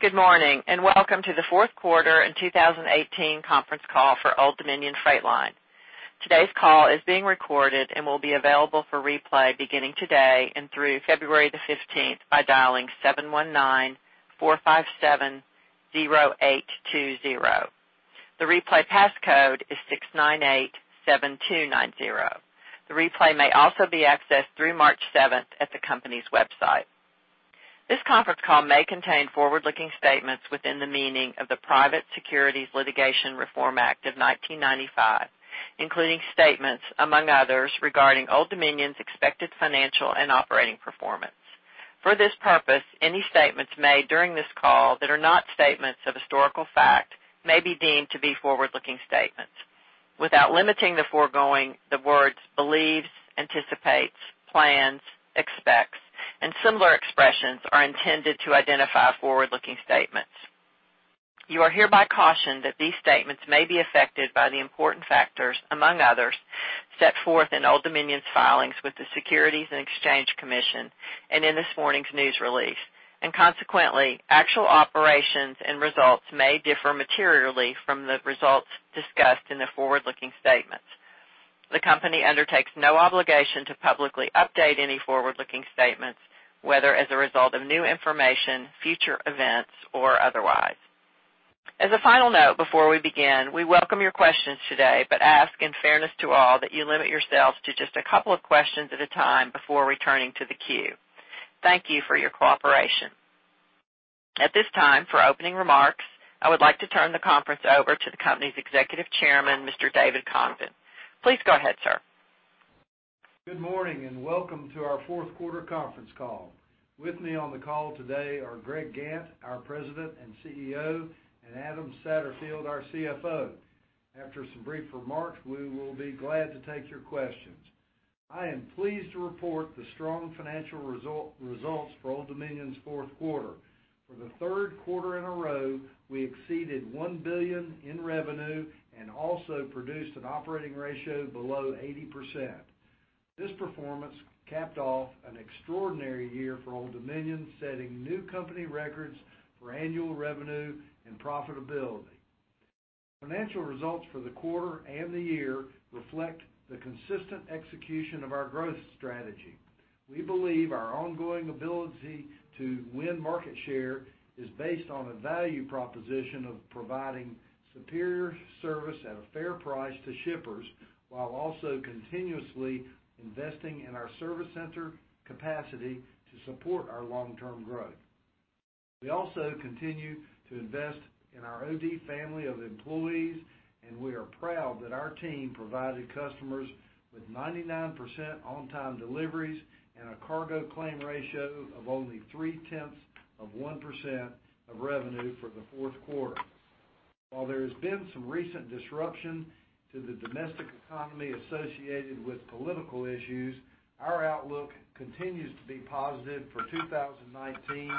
Good morning, and welcome to the fourth quarter in 2018 conference call for Old Dominion Freight Line. Today's call is being recorded and will be available for replay beginning today and through February 15th by dialing 719-457-0820. The replay passcode is 6987290. The replay may also be accessed through March 7th at the company's website. This conference call may contain forward-looking statements within the meaning of the Private Securities Litigation Reform Act of 1995, including statements, among others, regarding Old Dominion's expected financial and operating performance. For this purpose, any statements made during this call that are not statements of historical fact may be deemed to be forward-looking statements. Without limiting the foregoing, the words believes, anticipates, plans, expects, and similar expressions are intended to identify forward-looking statements. You are hereby cautioned that these statements may be affected by the important factors, among others, set forth in Old Dominion's filings with the Securities and Exchange Commission and in this morning's news release. Consequently, actual operations and results may differ materially from the results discussed in the forward-looking statements. The company undertakes no obligation to publicly update any forward-looking statements, whether as a result of new information, future events, or otherwise. As a final note, before we begin, we welcome your questions today, but ask in fairness to all that you limit yourselves to just a couple of questions at a time before returning to the queue. Thank you for your cooperation. At this time, for opening remarks, I would like to turn the conference over to the company's Executive Chairman, Mr. David Congdon. Please go ahead, sir. Good morning, welcome to our fourth quarter conference call. With me on the call today are Greg Gantt, our President and CEO, and Adam Satterfield, our CFO. After some brief remarks, we will be glad to take your questions. I am pleased to report the strong financial results for Old Dominion's fourth quarter. For the third quarter in a row, we exceeded $1 billion in revenue and also produced an operating ratio below 80%. This performance capped off an extraordinary year for Old Dominion, setting new company records for annual revenue and profitability. Financial results for the quarter and the year reflect the consistent execution of our growth strategy. We believe our ongoing ability to win market share is based on a value proposition of providing superior service at a fair price to shippers, while also continuously investing in our service center capacity to support our long-term growth. We also continue to invest in our OD family of employees, and we are proud that our team provided customers with 99% on-time deliveries and a cargo claim ratio of only 0.3percent of revenue for the fourth quarter. While there has been some recent disruption to the domestic economy associated with political issues, our outlook continues to be positive for 2019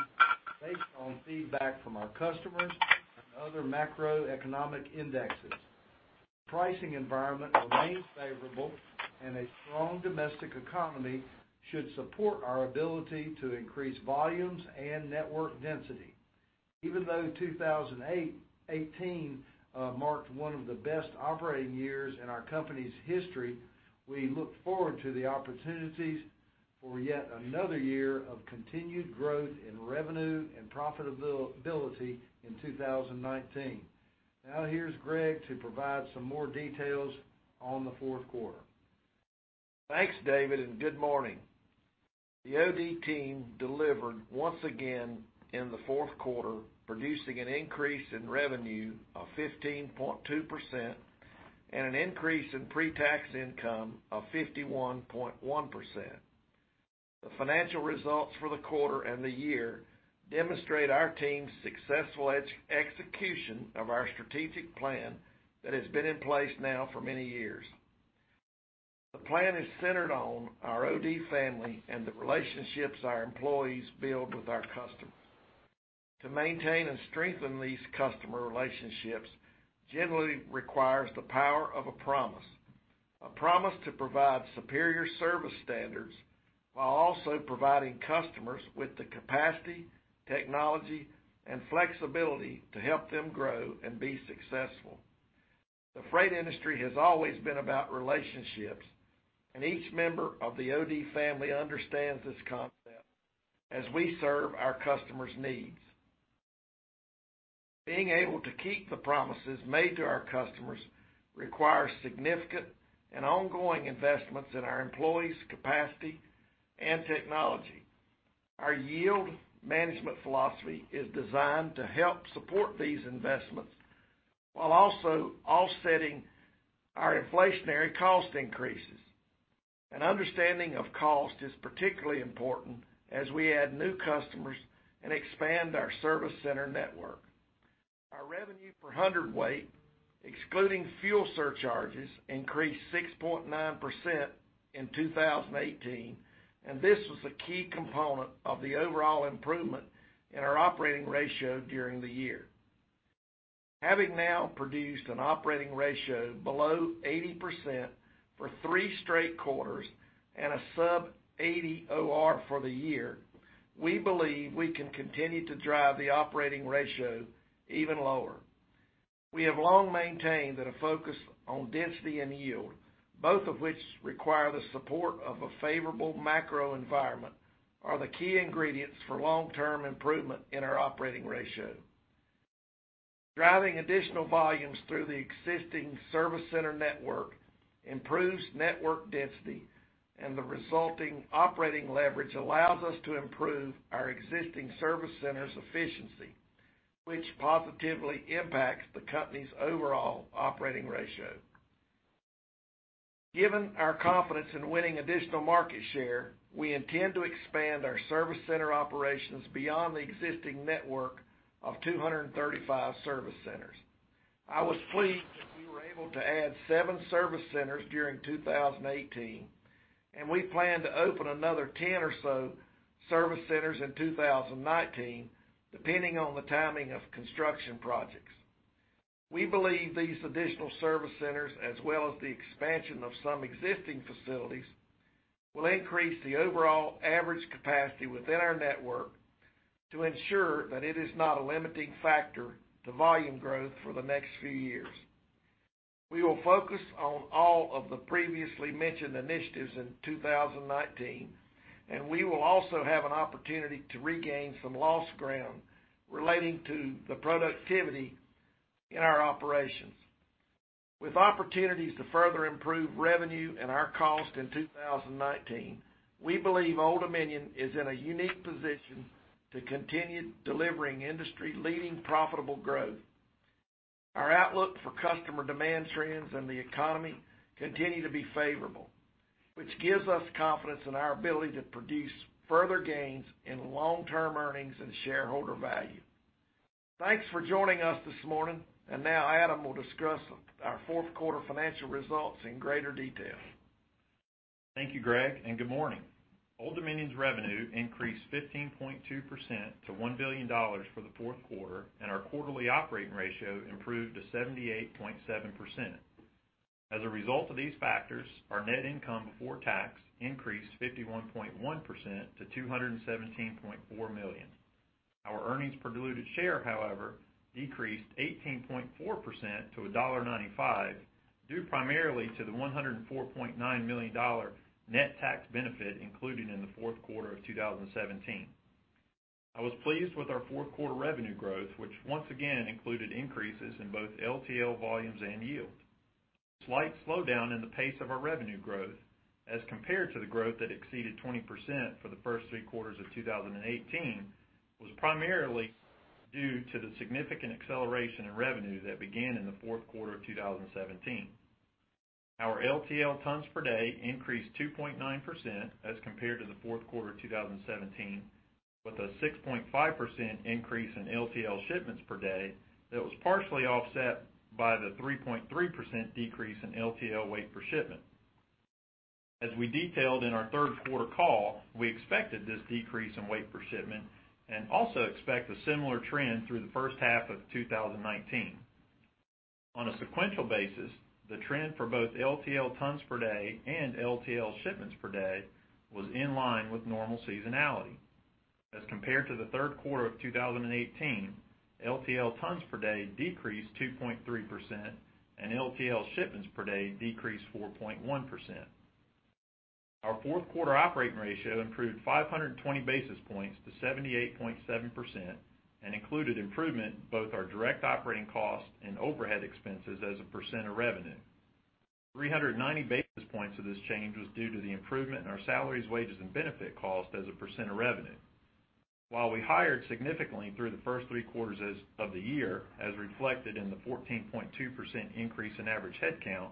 based on feedback from our customers and other macroeconomic indexes. Pricing environment remains favorable and a strong domestic economy should support our ability to increase volumes and network density. Even though 2018 marked one of the best operating years in our company's history, we look forward to the opportunities for yet another year of continued growth in revenue and profitability in 2019. Now here's Greg to provide some more details on the fourth quarter. Thanks, David. Good morning. The OD team delivered once again in the fourth quarter, producing an increase in revenue of 15.2% and an increase in pre-tax income of 51.1%. The financial results for the quarter and the year demonstrate our team's successful execution of our strategic plan that has been in place now for many years. The plan is centered on our OD family and the relationships our employees build with our customers. To maintain and strengthen these customer relationships generally requires the power of a promise, a promise to provide superior service standards while also providing customers with the capacity, technology, and flexibility to help them grow and be successful. The freight industry has always been about relationships, and each member of the OD family understands this concept as we serve our customers' needs. Being able to keep the promises made to our customers requires significant and ongoing investments in our employees' capacity and technology. Our yield management philosophy is designed to help support these investments while also offsetting our inflationary cost increases. An understanding of cost is particularly important as we add new customers and expand our service center network. Our revenue per hundredweight, excluding fuel surcharges, increased 6.9% in 2018, and this was a key component of the overall improvement in our operating ratio during the year. Having now produced an operating ratio below 80% for three straight quarters and a sub-80 OR for the year, we believe we can continue to drive the operating ratio even lower. We have long maintained that a focus on density and yield, both of which require the support of a favorable macro environment, are the key ingredients for long-term improvement in our operating ratio. Driving additional volumes through the existing service center network improves network density, and the resulting operating leverage allows us to improve our existing service centers' efficiency, which positively impacts the company's overall operating ratio. Given our confidence in winning additional market share, we intend to expand our service center operations beyond the existing network of 235 service centers. I was pleased that we were able to add seven service centers during 2018, and we plan to open another 10 or so service centers in 2019, depending on the timing of construction projects. We believe these additional service centers, as well as the expansion of some existing facilities, will increase the overall average capacity within our network to ensure that it is not a limiting factor to volume growth for the next few years. We will focus on all of the previously mentioned initiatives in 2019, and we will also have an opportunity to regain some lost ground relating to the productivity in our operations. With opportunities to further improve revenue and our cost in 2019, we believe Old Dominion is in a unique position to continue delivering industry-leading profitable growth. Our outlook for customer demand trends and the economy continue to be favorable, which gives us confidence in our ability to produce further gains in long-term earnings and shareholder value. Thanks for joining us this morning. Now Adam will discuss our fourth quarter financial results in greater detail. Thank you, Greg, and good morning. Old Dominion's revenue increased 15.2% to $1 billion for the fourth quarter, and our quarterly operating ratio improved to 78.7%. As a result of these factors, our net income before tax increased 51.1% to $217.4 million. Our earnings per diluted share, however, decreased 18.4% to $1.95, due primarily to the $104.9 million net tax benefit included in the fourth quarter of 2017. I was pleased with our fourth quarter revenue growth, which once again included increases in both LTL volumes and yield. Slight slowdown in the pace of our revenue growth as compared to the growth that exceeded 20% for the first three quarters of 2018 was primarily due to the significant acceleration in revenue that began in the fourth quarter of 2017. Our LTL tons per day increased 2.9% as compared to the fourth quarter of 2017, with a 6.5% increase in LTL shipments per day that was partially offset by the 3.3% decrease in LTL weight per shipment. As we detailed in our third quarter call, we expected this decrease in weight per shipment and also expect a similar trend through the first half of 2019. On a sequential basis, the trend for both LTL tons per day and LTL shipments per day was in line with normal seasonality. As compared to the third quarter of 2018, LTL tons per day decreased 2.3%, and LTL shipments per day decreased 4.1%. Our fourth quarter operating ratio improved 520 basis points to 78.7% and included improvement in both our direct operating cost and overhead expenses as a percent of revenue. 390 basis points of this change was due to the improvement in our salaries, wages, and benefit cost as a percent of revenue. While we hired significantly through the first three quarters of the year, as reflected in the 14.2% increase in average headcount,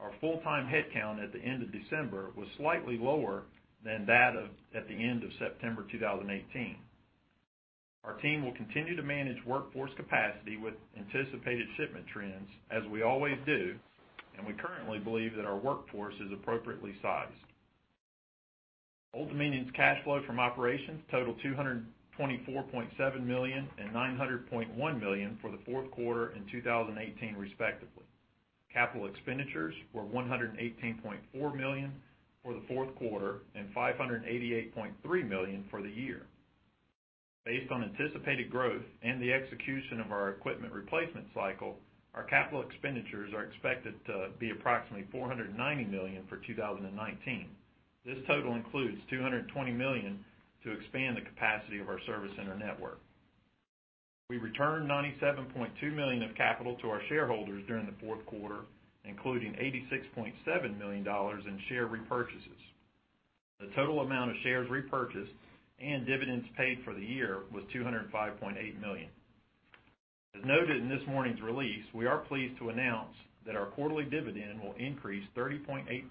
our full-time headcount at the end of December was slightly lower than that of at the end of September 2018. Our team will continue to manage workforce capacity with anticipated shipment trends as we always do, and we currently believe that our workforce is appropriately sized. Old Dominion's cash flow from operations totaled $224.7 million and $900.1 million for the fourth quarter in 2018 respectively. Capital expenditures were $118.4 million for the fourth quarter and $588.3 million for the year. Based on anticipated growth and the execution of our equipment replacement cycle, our capital expenditures are expected to be approximately $490 million for 2019. This total includes $220 million to expand the capacity of our service center network. We returned $97.2 million of capital to our shareholders during the fourth quarter, including $86.7 million in share repurchases. The total amount of shares repurchased and dividends paid for the year was $205.8 million. As noted in this morning's release, we are pleased to announce that our quarterly dividend will increase 30.8%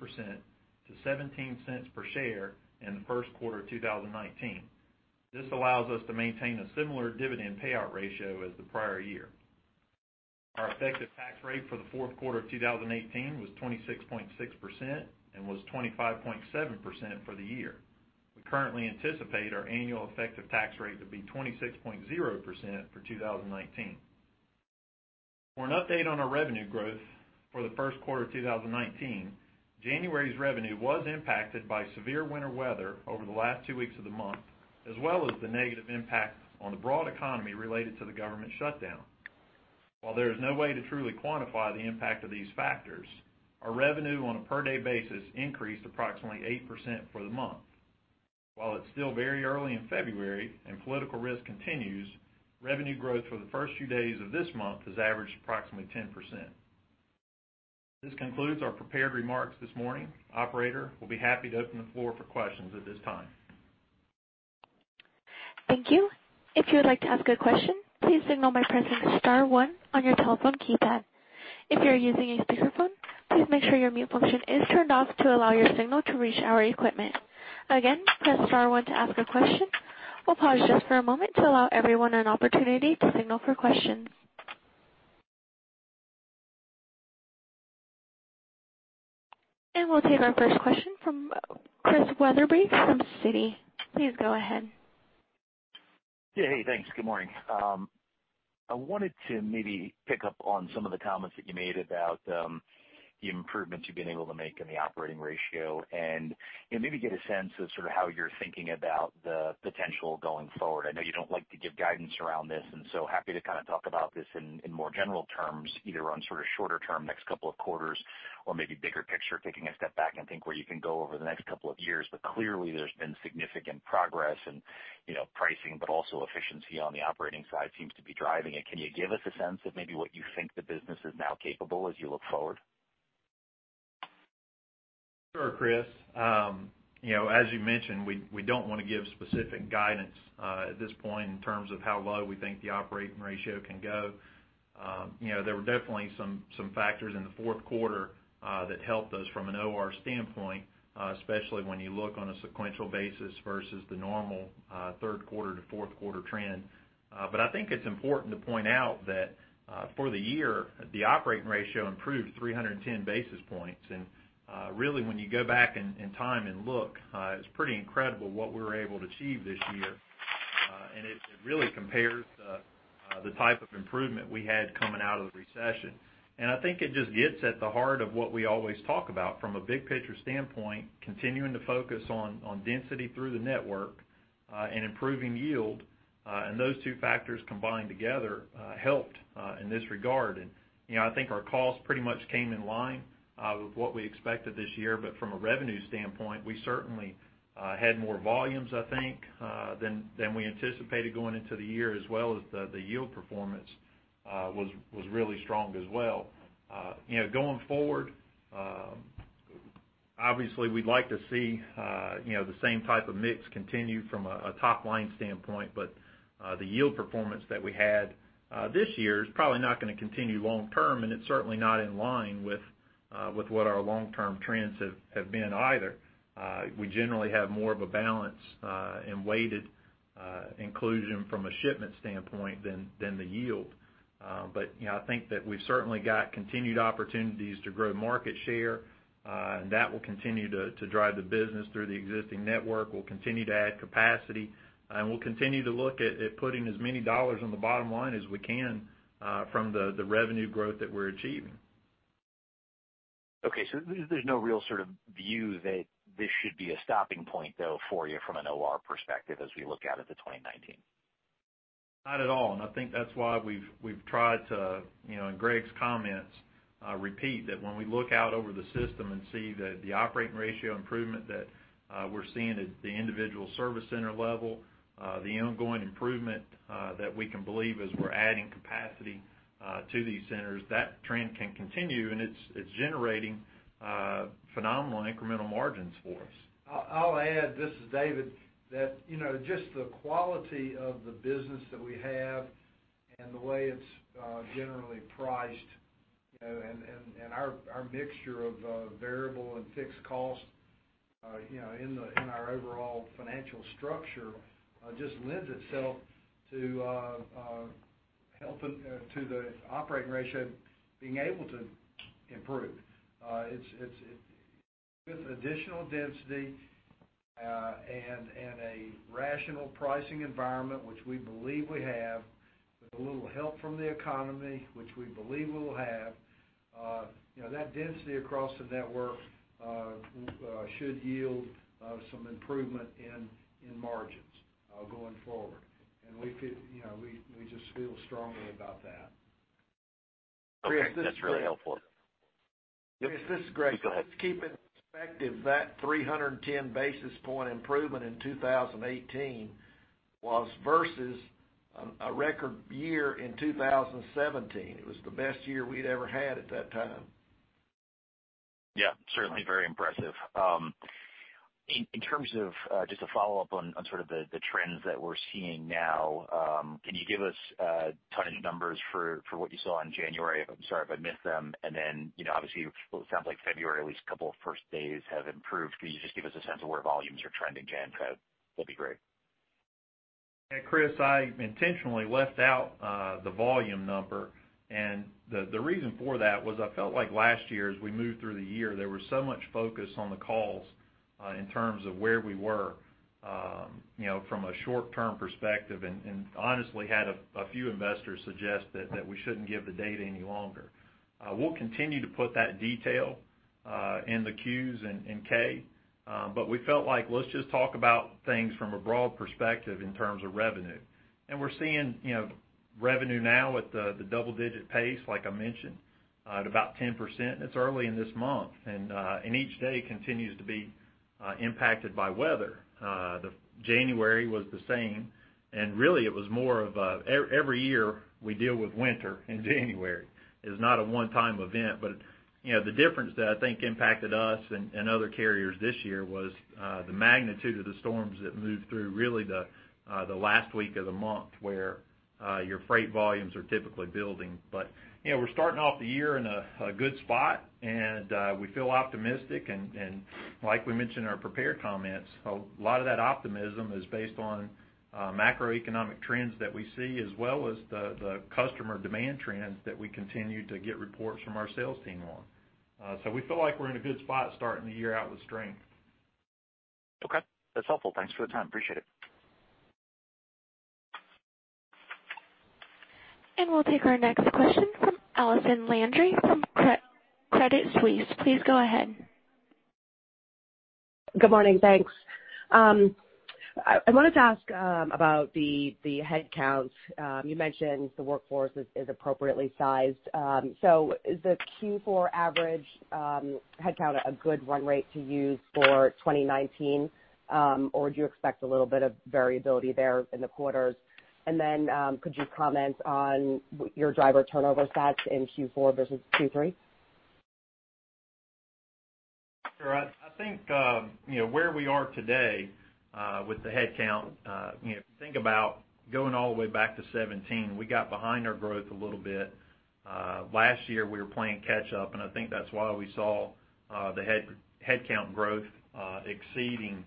to $0.17 per share in the first quarter of 2019. This allows us to maintain a similar dividend payout ratio as the prior year. Our effective tax rate for the fourth quarter of 2018 was 26.6% and was 25.7% for the year. We currently anticipate our annual effective tax rate to be 26.0% for 2019. For an update on our revenue growth for the first quarter of 2019, January's revenue was impacted by severe winter weather over the last two weeks of the month, as well as the negative impact on the broad economy related to the government shutdown. While there is no way to truly quantify the impact of these factors, our revenue on a per day basis increased approximately 8% for the month. While it's still very early in February and political risk continues, revenue growth for the first few days of this month has averaged approximately 10%. This concludes our prepared remarks this morning. Operator, we'll be happy to open the floor for questions at this time. Thank you. If you would like to ask a question, please signal by pressing star one on your telephone keypad. If you're using a speakerphone, please make sure your mute function is turned off to allow your signal to reach our equipment. Again, press star one to ask a question. We'll pause just for a moment to allow everyone an opportunity to signal for questions. We'll take our first question from Chris Wetherbee from Citi. Please go ahead. Yeah, hey, thanks. Good morning. I wanted to maybe pick up on some of the comments that you made about the improvements you've been able to make in the operating ratio and, you know, maybe get a sense of sort of how you're thinking about the potential going forward. I know you don't like to give guidance around this, happy to kind of talk about this in more general terms, either on sort of shorter term, next couple of quarters or maybe bigger picture, taking a step back and think where you can go over the next couple of years. Clearly, there's been significant progress and, you know, pricing, but also efficiency on the operating side seems to be driving it. Can you give us a sense of maybe what you think the business is now capable as you look forward? Sure, Chris. You know, as you mentioned, we don't wanna give specific guidance at this point in terms of how low we think the operating ratio can go. You know, there were definitely some factors in the fourth quarter that helped us from an OR standpoint, especially when you look on a sequential basis versus the normal third quarter to fourth quarter trend. I think it's important to point out that for the year, the operating ratio improved 310 basis points. Really, when you go back in time and look, it's pretty incredible what we were able to achieve this year. It really compares the type of improvement we had coming out of the recession. I think it just gets at the heart of what we always talk about from a big picture standpoint, continuing to focus on density through the network, and improving yield. Those two factors combined together, helped in this regard. You know, I think our costs pretty much came in line with what we expected this year. From a revenue standpoint, we certainly had more volumes, I think, than we anticipated going into the year, as well as the yield performance was really strong as well. You know, going forward, obviously we'd like to see, you know, the same type of mix continue from a top-line standpoint. The yield performance that we had this year is probably not gonna continue long term, and it's certainly not in line with what our long-term trends have been either. We generally have more of a balance and weighted inclusion from a shipment standpoint than the yield. You know, I think that we've certainly got continued opportunities to grow market share, and that will continue to drive the business through the existing network. We'll continue to add capacity, and we'll continue to look at putting as many dollars on the bottom line as we can from the revenue growth that we're achieving. Okay, there's no real sort of view that this should be a stopping point, though, for you from an OR perspective as we look out at the 2019? Not at all. I think that's why we've tried to, you know, in Greg's comments, repeat that when we look out over the system and see that the operating ratio improvement that we're seeing at the individual service center level, the ongoing improvement that we can believe as we're adding capacity to these centers, that trend can continue and it's generating phenomenal incremental margins for us. I'll add, this is David, that, you know, just the quality of the business that we have and the way it's generally priced, you know, and our mixture of variable and fixed cost, you know, in our overall financial structure, just lends itself to helping to the operating ratio being able to improve. It's with additional density, and a rational pricing environment, which we believe we have, with a little help from the economy, which we believe we'll have, you know, that density across the network, should yield some improvement in margins going forward. We could, you know, we just feel strongly about that. Okay. That's really helpful. Chris, this is Greg. Yes, go ahead. Just keep in perspective that 310 basis point improvement in 2018 was versus a record year in 2017. It was the best year we'd ever had at that time. Yeah, certainly very impressive. In terms of just to follow up on sort of the trends that we're seeing now, can you give us tonnage numbers for what you saw in January? I'm sorry if I missed them. You know, obviously it sounds like February, at least couple of first days have improved. Can you just give us a sense of where volumes are trending gen code? That'd be great. Yeah, Chris, I intentionally left out the volume number. The reason for that was I felt like last year as we moved through the year, there was so much focus on the calls in terms of where we were, you know, from a short-term perspective, and honestly had a few investors suggest that we shouldn't give the data any longer. We'll continue to put that detail in the Form 10-Qs and Form 10-K, we felt like let's just talk about things from a broad perspective in terms of revenue. We're seeing, you know, revenue now at the double-digit pace, like I mentioned, at about 10%. It's early in this month, and each day continues to be impacted by weather. The January was the same. Really it was more of a every year we deal with winter in January. It's not a one-time event. You know, the difference that I think impacted us and other carriers this year was the magnitude of the storms that moved through really the last week of the month where your freight volumes are typically building. You know, we're starting off the year in a good spot, and we feel optimistic. Like we mentioned in our prepared comments, a lot of that optimism is based on macroeconomic trends that we see as well as the customer demand trends that we continue to get reports from our sales team on. We feel like we're in a good spot starting the year out with strength. Okay. That's helpful. Thanks for the time. Appreciate it. We'll take our next question from Allison Landry from Credit Suisse. Please go ahead. Good morning. Thanks. I wanted to ask about the headcount. You mentioned the workforce is appropriately sized. Is the Q4 average headcount a good run rate to use for 2019? Or do you expect a little bit of variability there in the quarters? Could you comment on your driver turnover stats in Q4 versus Q3? Sure. I think, you know, where we are today, with the headcount, you know, if you think about going all the way back to 2017, we got behind our growth a little bit. Last year, we were playing catch up, I think that's why we saw the headcount growth exceeding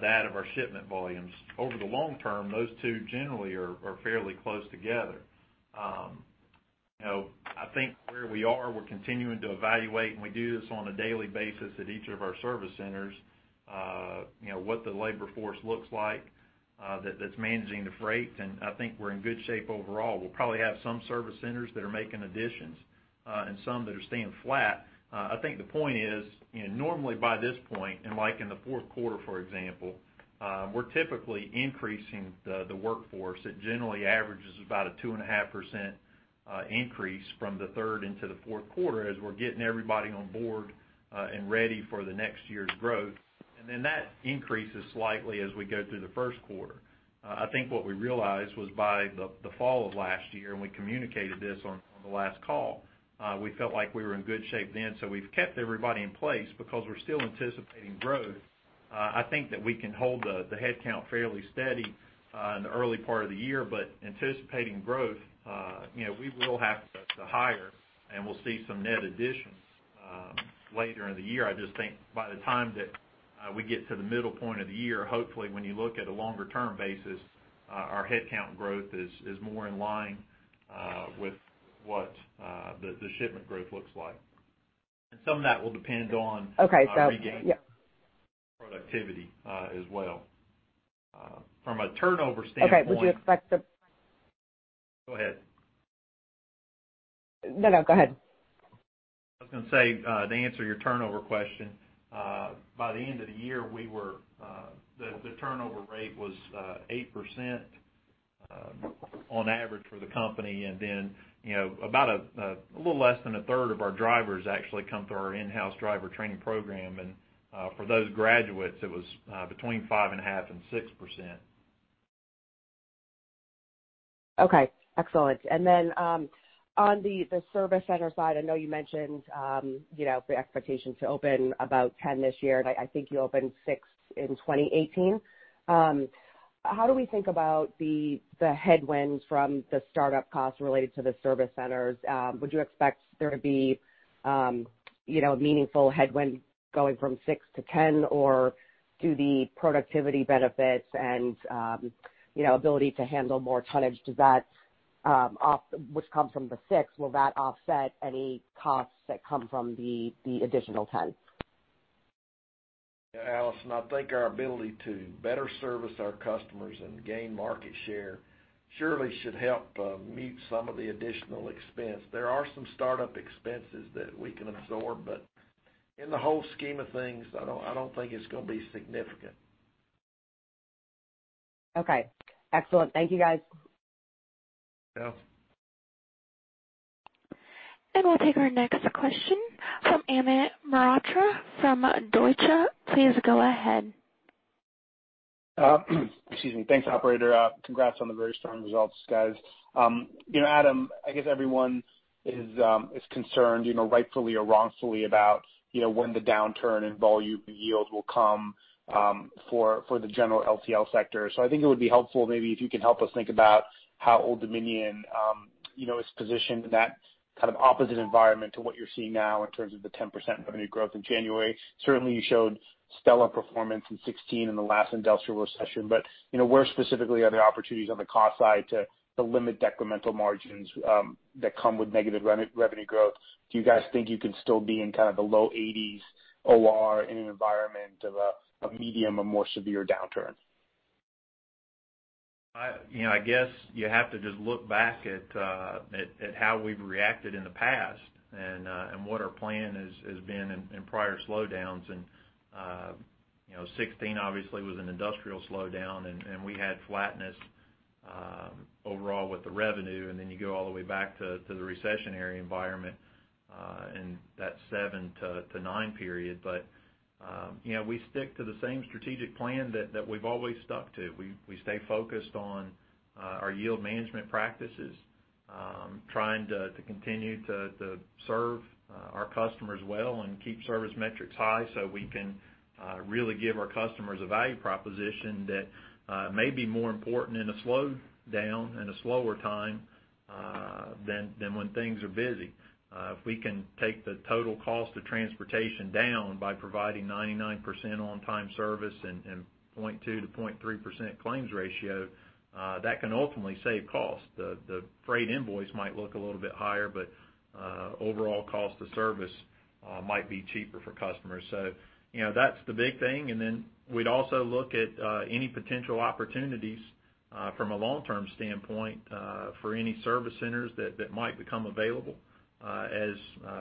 that of our shipment volumes. Over the long term, those two generally are fairly close together. You know, I think where we are, we're continuing to evaluate, we do this on a daily basis at each of our service centers, you know, what the labor force looks like, that's managing the freight. I think we're in good shape overall. We'll probably have some service centers that are making additions, some that are staying flat. I think the point is, you know, normally by this point, and like in the fourth quarter, for example, we're typically increasing the workforce. It generally averages about a 2.5% increase from the third into the fourth quarter as we're getting everybody on board and ready for the next year's growth. That increases slightly as we go through the first quarter. I think what we realized was by the fall of last year, and we communicated this on the last call, we felt like we were in good shape then, so we've kept everybody in place because we're still anticipating growth. I think that we can hold the headcount fairly steady in the early part of the year, but anticipating growth, you know, we will have to hire, and we'll see some net additions later in the year. I just think by the time that we get to the middle point of the year, hopefully, when you look at a longer-term basis, our headcount growth is more in line with what the shipment growth looks like. Some of that will depend on- Okay. our regained productivity, as well. From a turnover standpoint Okay. Would you expect? Go ahead. No, no, go ahead. I was gonna say, to answer your turnover question, by the end of the year, we were, the turnover rate was 8% on average for the company. About a little less than 1/3 of our drivers actually come through our in-house driver training program. For those graduates, it was between 5.5%-6%. Okay, excellent. On the service center side, I know you mentioned, you know, the expectation to open about 10 this year, and I think you opened six in 2018. How do we think about the headwinds from the startup costs related to the service centers? Would you expect there to be, you know, meaningful headwind going from six to 10? Or do the productivity benefits and, you know, ability to handle more tonnage, does that which comes from the six, will that offset any costs that come from the additional 10? Yeah, Allison, I think our ability to better service our customers and gain market share surely should help meet some of the additional expense. There are some startup expenses that we can absorb, but in the whole scheme of things, I don't think it's gonna be significant. Okay. Excellent. Thank you, guys. Yeah. We'll take our next question from Amit Mehrotra from Deutsche. Please go ahead. Excuse me. Thanks, operator. Congrats on the very strong results, guys. You know, Adam, I guess everyone is concerned, you know, rightfully or wrongfully about, you know, when the downturn in volume and yield will come for the general LTL sector. I think it would be helpful maybe if you can help us think about how Old Dominion, you know, is positioned in that kind of opposite environment to what you're seeing now in terms of the 10% revenue growth in January. Certainly, you showed stellar performance in 2016 in the last industrial recession, you know, where specifically are the opportunities on the cost side to limit decremental margins that come with negative revenue growth? Do you guys think you can still be in kind of the low 80s OR in an environment of a medium or more severe downturn? You know, I guess you have to just look back at how we've reacted in the past and what our plan has been in prior slowdowns. You know, 2016 obviously was an industrial slowdown, and we had flatness overall with the revenue. You go all the way back to the recessionary environment in that 2007-2009 period. You know, we stick to the same strategic plan that we've always stuck to. We stay focused on our yield management practices, trying to continue to serve our customers well and keep service metrics high so we can really give our customers a value proposition that may be more important in a slowdown, in a slower time, than when things are busy. If we can take the total cost of transportation down by providing 99% on-time service and 0.2%-0.3% claims ratio, that can ultimately save costs. The freight invoice might look a little bit higher, but overall cost to service might be cheaper for customers. You know, that's the big thing. Then we'd also look at any potential opportunities from a long-term standpoint for any service centers that might become available as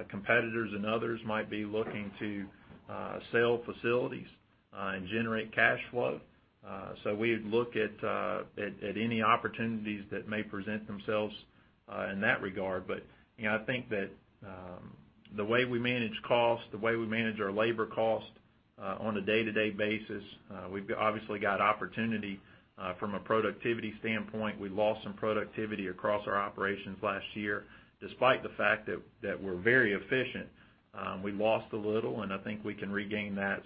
competitors and others might be looking to sell facilities and generate cash flow. We would look at any opportunities that may present themselves in that regard. You know, I think that the way we manage costs, the way we manage our labor costs, on a day-to-day basis, we've obviously got opportunity. From a productivity standpoint, we lost some productivity across our operations last year. Despite the fact that we're very efficient, we lost a little, and I think we can regain that.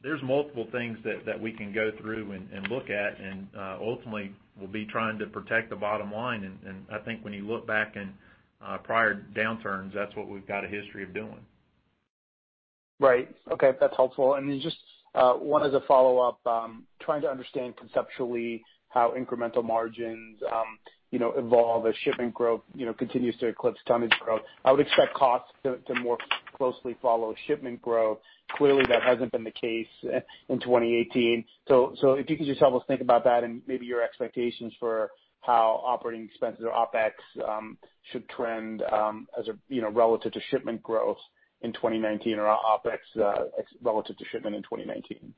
There's multiple things that we can go through and look at, and ultimately, we'll be trying to protect the bottom line. And I think when you look back in prior downturns, that's what we've got a history of doing. Right. Okay. That's helpful. Just one as a follow-up, trying to understand conceptually how incremental margins, you know, evolve as shipment growth, you know, continues to eclipse tonnage growth. I would expect costs to more closely follow shipment growth. Clearly, that hasn't been the case in 2018. If you could just help us think about that and maybe your expectations for how operating expenses or OpEx should trend, as a you know, relative to shipment growth in 2019 or OpEx relative to shipment in 2019.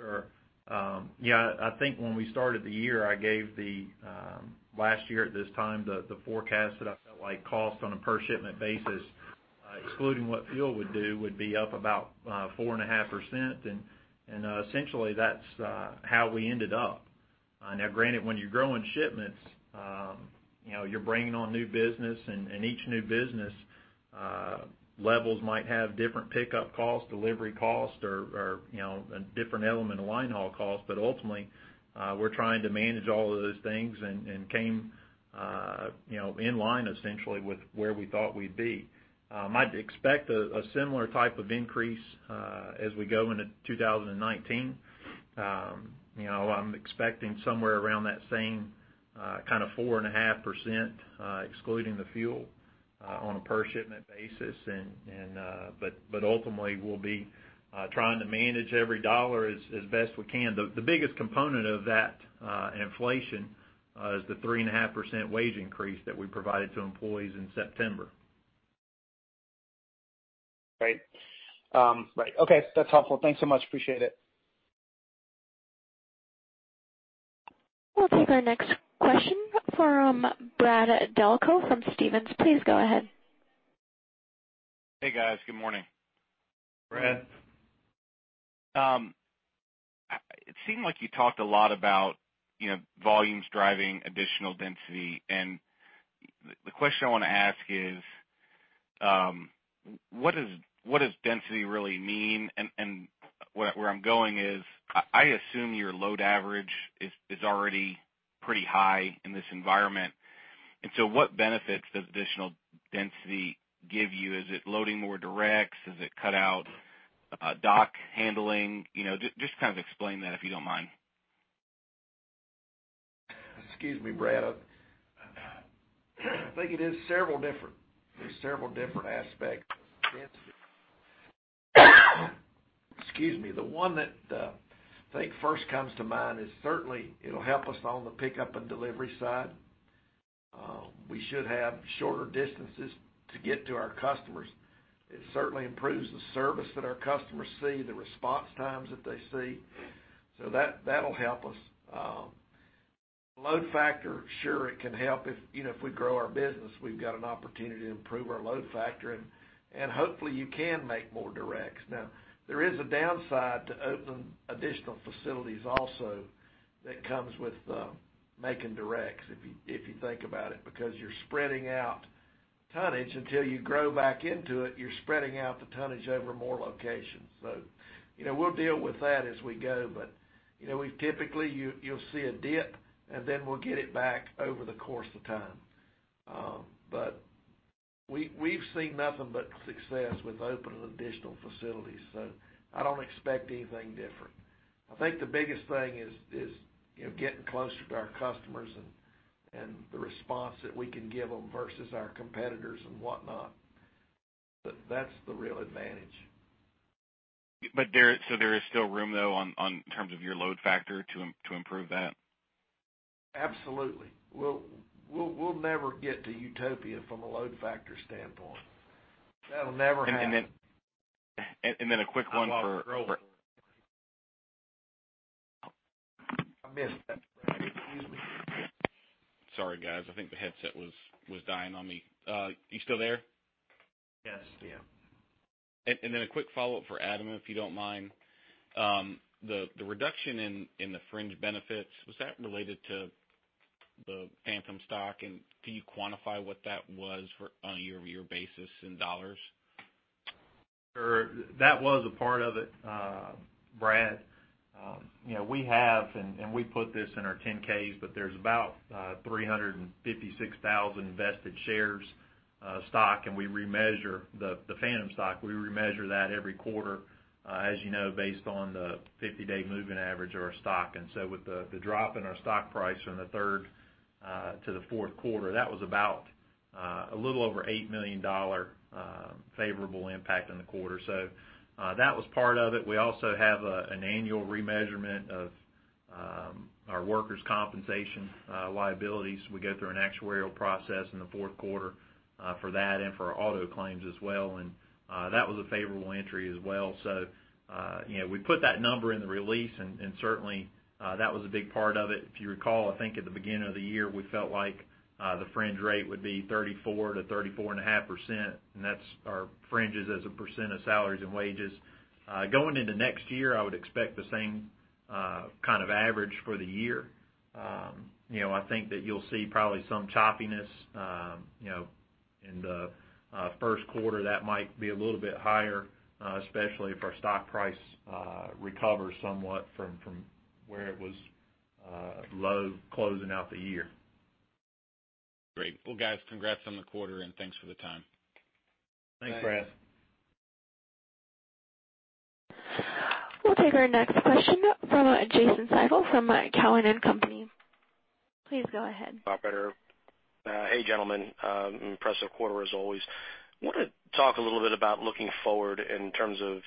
Sure. Yeah, I think when we started the year, I gave the last year at this time, the forecast that I felt like cost on a per shipment basis, excluding what fuel would do, would be up about 4.5%. Essentially, that's how we ended up. Now granted, when you're growing shipments, you know, you're bringing on new business and each new business levels might have different pickup costs, delivery costs or, you know, a different element of line haul costs. Ultimately, we're trying to manage all of those things and came, you know, in line essentially with where we thought we'd be. I'd expect a similar type of increase as we go into 2019. You know, I'm expecting somewhere around that same kind of 4.5%, excluding the fuel, on a per shipment basis. Ultimately, we'll be trying to manage every dollar as best we can. The biggest component of that inflation is the 3.5% wage increase that we provided to employees in September. Great. Right. Okay. That's helpful. Thanks so much. Appreciate it. We'll take our next question from Brad Delco from Stephens. Please go ahead. Hey, guys. Good morning. Brad. It seemed like you talked a lot about, you know, volumes driving additional density. The question I wanna ask is, what does density really mean? And where I'm going is I assume your load average is already pretty high in this environment. What benefits does additional density give you? Is it loading more directs? Does it cut out dock handling? You know, just kind of explain that, if you don't mind. Excuse me, Brad. I think it is several different, there's several different aspects of density. Excuse me. The one that I think first comes to mind is certainly it'll help us on the pickup and delivery side. We should have shorter distances to get to our customers. It certainly improves the service that our customers see, the response times that they see. That'll help us. Load factor, sure, it can help if, you know, if we grow our business, we've got an opportunity to improve our load factor, and hopefully you can make more directs. There is a downside to opening additional facilities also that comes with making directs, if you think about it, because you're spreading out tonnage. Until you grow back into it, you're spreading out the tonnage over more locations. You know, we'll deal with that as we go. You know, we've typically, you'll see a dip, and then we'll get it back over the course of time. We've seen nothing but success with opening additional facilities, so I don't expect anything different. I think the biggest thing is, you know, getting closer to our customers and the response that we can give them versus our competitors and whatnot. That's the real advantage. There is still room though on terms of your load factor to improve that? Absolutely. We'll never get to utopia from a load factor standpoint. That'll never happen. And then, and then a quick one for- I lost control. I missed that. Sorry, guys. I think the headset was dying on me. You still there? Yes. Yeah. Then a quick follow-up for Adam, if you don't mind. The reduction in the fringe benefits, was that related to the phantom stock? Can you quantify what that was for on a year-over-year basis in dollars? Sure. That was a part of it, Brad. you know, we have and we put this in our Form 10-Ks, but there's about 356,000 vested shares, stock, and we remeasure the phantom stock. We remeasure that every quarter, as you know based on the 50-day moving average of our stock. With the drop in our stock price from the third to the fourth quarter, that was about a little over $8 million favorable impact in the quarter. That was part of it. We also have an annual remeasurement of our workers' compensation liabilities. We go through an actuarial process in the fourth quarter for that and for auto claims as well. That was a favorable entry as well. You know, we put that number in the release and certainly, that was a big part of it. If you recall, I think at the beginning of the year, we felt like the fringe rate would be 34%-34.5%, and that's our fringes as a percent of salaries and wages. Going into next year, I would expect the same kind of average for the year. you know, I think that you'll see probably some choppiness, you know, in the first quarter that might be a little bit higher, especially if our stock price recovers somewhat from where it was, low closing out the year. Great. Well, guys, congrats on the quarter, and thanks for the time. Thanks, Brad. Thanks. We'll take our next question from Jason Seidl from Cowen and Company. Please go ahead. Operator. Hey, gentlemen. Impressive quarter as always. Wanted to talk a little bit about looking forward in terms of,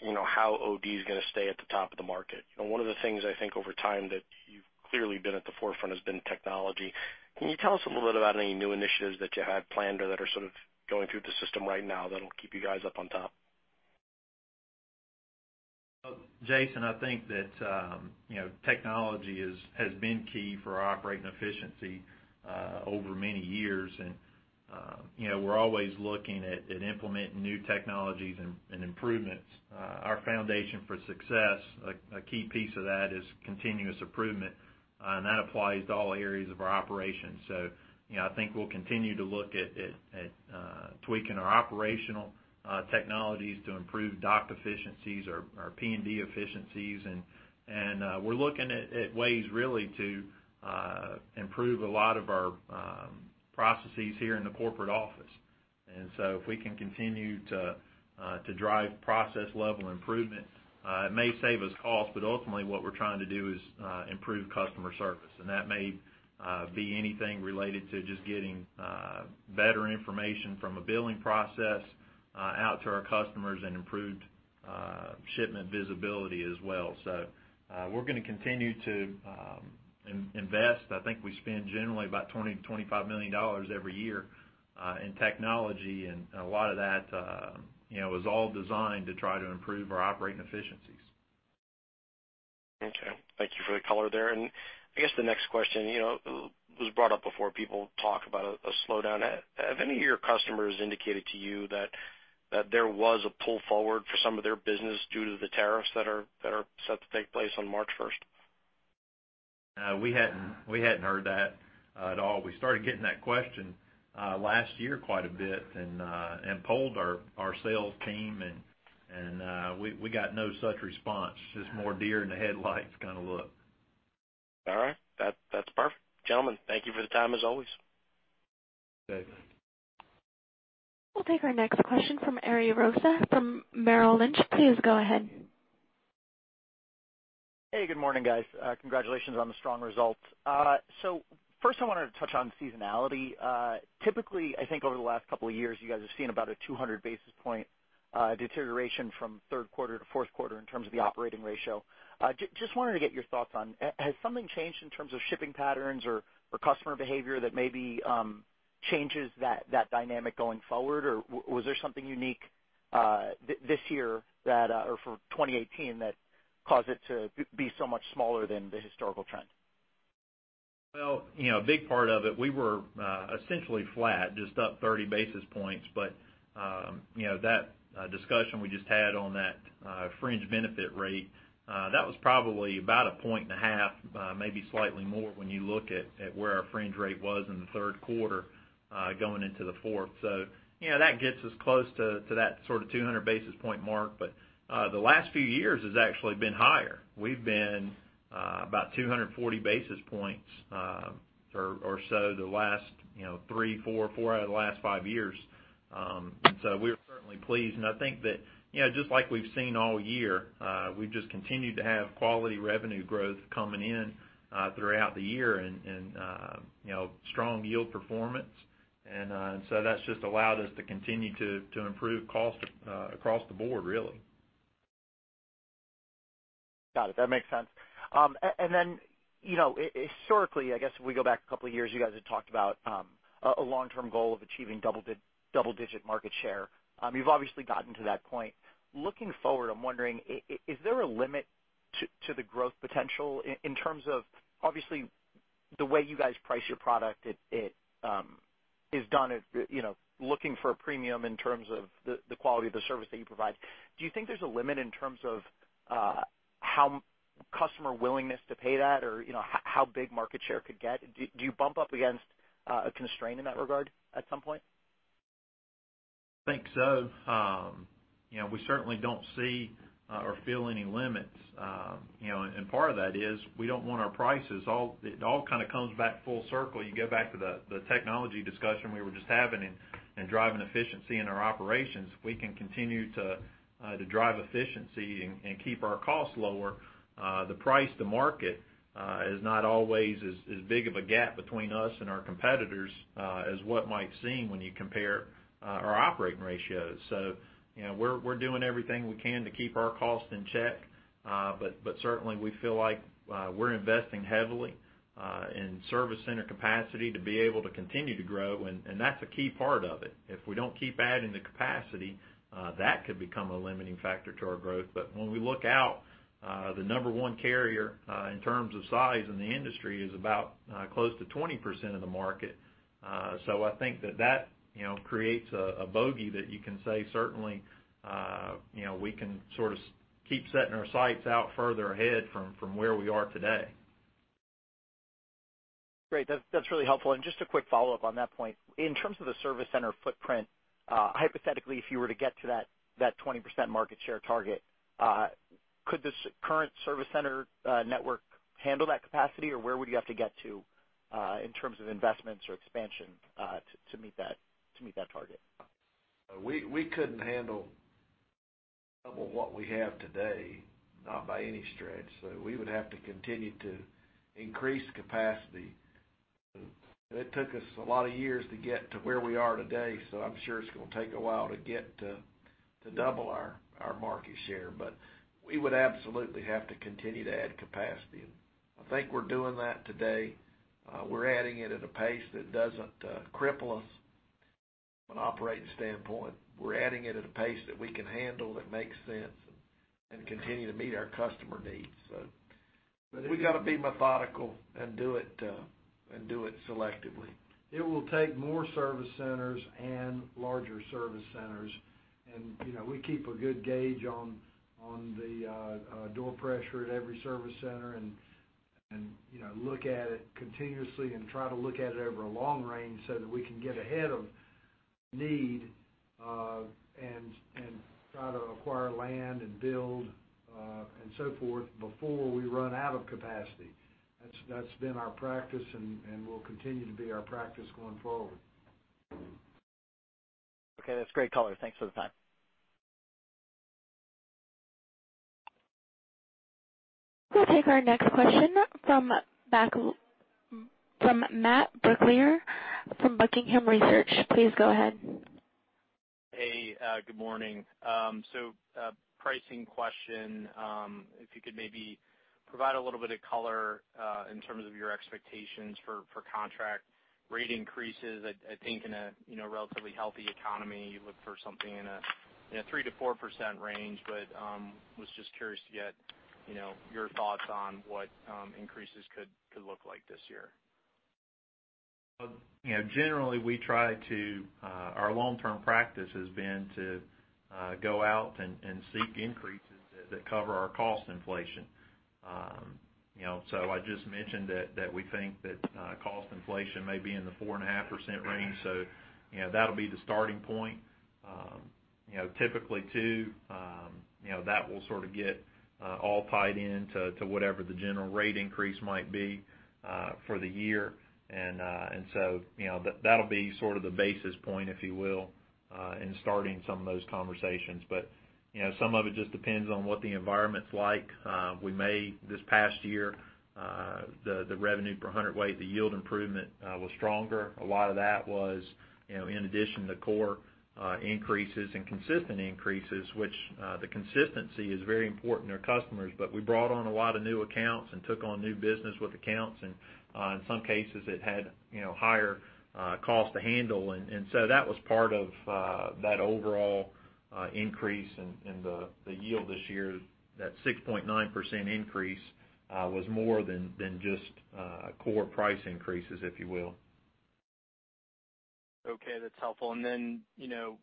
you know, how OD is gonna stay at the top of the market. You know, one of the things I think over time that you've clearly been at the forefront has been technology. Can you tell us a little bit about any new initiatives that you have planned or that are sort of going through the system right now that'll keep you guys up on top? Jason, I think that, you know, technology has been key for our operating efficiency over many years. You know, we're always looking at implementing new technologies and improvements. Our foundation for success, a key piece of that is continuous improvement, and that applies to all areas of our operations. You know, I think we'll continue to look at tweaking our operational technologies to improve dock efficiencies or P&D efficiencies. We're looking at ways really to improve a lot of our processes here in the corporate office. If we can continue to drive process-level improvement, it may save us cost, but ultimately what we're trying to do is improve customer service. That may be anything related to just getting better information from a billing process out to our customers and improved shipment visibility as well. We're gonna continue to invest. I think we spend generally about $20 million-$25 million every year in technology, and a lot of that, you know, is all designed to try to improve our operating efficiencies. Okay. Thank you for the color there. I guess the next question, you know, was brought up before people talk about a slowdown. Have any of your customers indicated to you that there was a pull forward for some of their business due to the tariffs that are set to take place on March first? We hadn't heard that at all. We started getting that question last year quite a bit and polled our sales team and we got no such response. Just more deer in the headlights kind of look. All right. That's perfect. Gentlemen, thank you for the time as always. Thanks. We'll take our next question from Ari Rosa from Merrill Lynch. Please go ahead. Good morning, guys. Congratulations on the strong results. First I wanted to touch on seasonality. Typically, I think over the last couple of years, you guys have seen about a 200 basis point deterioration from third quarter to fourth quarter in terms of the operating ratio. Just wanted to get your thoughts on, has something changed in terms of shipping patterns or customer behavior that maybe changes that dynamic going forward? Was there something unique this year that or for 2018 that caused it to be so much smaller than the historical trend? Well, you know, a big part of it, we were essentially flat, just up 30 basis points. You know, that discussion we just had on that fringe benefit rate, that was probably about 1.5 points, maybe slightly more when you look at where our fringe rate was in the third quarter, going into the fourth. You know, that gets us close to that sort of 200 basis point mark. The last few years has actually been higher. We've been about 240 basis points, or so the last, you know, three, four out of the last five years. We're certainly pleased. I think that, you know, just like we've seen all year, we've just continued to have quality revenue growth coming in throughout the year and, you know, strong yield performance. That's just allowed us to continue to improve cost across the board, really. Got it. That makes sense. Then, you know, historically, I guess, if we go back a couple of years, you guys had talked about a long-term goal of achieving double-digit market share. You've obviously gotten to that point. Looking forward, I'm wondering is there a limit to the growth potential in terms of obviously the way you guys price your product, it is done at, you know, looking for a premium in terms of the quality of the service that you provide. Do you think there's a limit in terms of how customer willingness to pay that or, you know, how big market share could get? Do you bump up against a constraint in that regard at some point? I think so. You know, we certainly don't see or feel any limits. You know, and part of that is we don't want our prices it all kind of comes back full circle. You go back to the technology discussion we were just having and driving efficiency in our operations. If we can continue to drive efficiency and keep our costs lower, the price to market is not always as big of a gap between us and our competitors as what might seem when you compare our operating ratios. You know, we're doing everything we can to keep our costs in check. Certainly we feel like we're investing heavily in service center capacity to be able to continue to grow, and that's a key part of it. If we don't keep adding the capacity, that could become a limiting factor to our growth. When we look out, the number one carrier, in terms of size in the industry is about, close to 20% of the market. I think that that, you know, creates a bogey that you can say certainly, you know, we can sort of keep setting our sights out further ahead from where we are today. Great. That's really helpful. Just a quick follow-up on that point. In terms of the service center footprint, hypothetically, if you were to get to that 20% market share target, could this current service center network handle that capacity? Where would you have to get to in terms of investments or expansion to meet that target? We couldn't handle double what we have today, not by any stretch. We would have to continue to increase capacity. It took us a lot of years to get to where we are today, I'm sure it's gonna take a while to get to double our market share. We would absolutely have to continue to add capacity. I think we're doing that today. We're adding it at a pace that doesn't cripple us from an operating standpoint. We're adding it at a pace that we can handle, that makes sense, and continue to meet our customer needs. We got to be methodical and do it and do it selectively. It will take more service centers and larger service centers. You know, we keep a good gauge on the door pressure at every service center, and, you know, look at it continuously and try to look at it over a long range so that we can get ahead of need, and try to acquire land and build, and so forth before we run out of capacity. That's been our practice, and will continue to be our practice going forward. Okay, that's great color. Thanks for the time. We'll take our next question from Matt Brooklier from Buckingham Research. Please go ahead. Hey, good morning. Pricing question, if you could maybe provide a little bit of color in terms of your expectations for contract rate increases? I think in a, you know, relatively healthy economy, you look for something in a, you know, 3%-4% range, but was just curious to get, you know, your thoughts on what increases could look like this year? You know, generally, we try to, our long-term practice has been to, go out and seek increases that cover our cost inflation. You know, so I just mentioned that we think that cost inflation may be in the 4.5% range. You know, that'll be the starting point. You know, typically too, you know, that will sort of get all tied into whatever the general rate increase might be for the year. You know, that'll be sort of the basis point, if you will, in starting some of those conversations. You know, some of it just depends on what the environment's like. We may, this past year, the revenue per hundredweight, the yield improvement, was stronger. A lot of that was, you know, in addition to core increases and consistent increases, which the consistency is very important to our customers. We brought on a lot of new accounts and took on new business with accounts and, in some cases, it had, you know, higher cost to handle. That was part of that overall increase in the yield this year. That 6.9% increase was more than just core price increases, if you will. Okay, that's helpful. You know,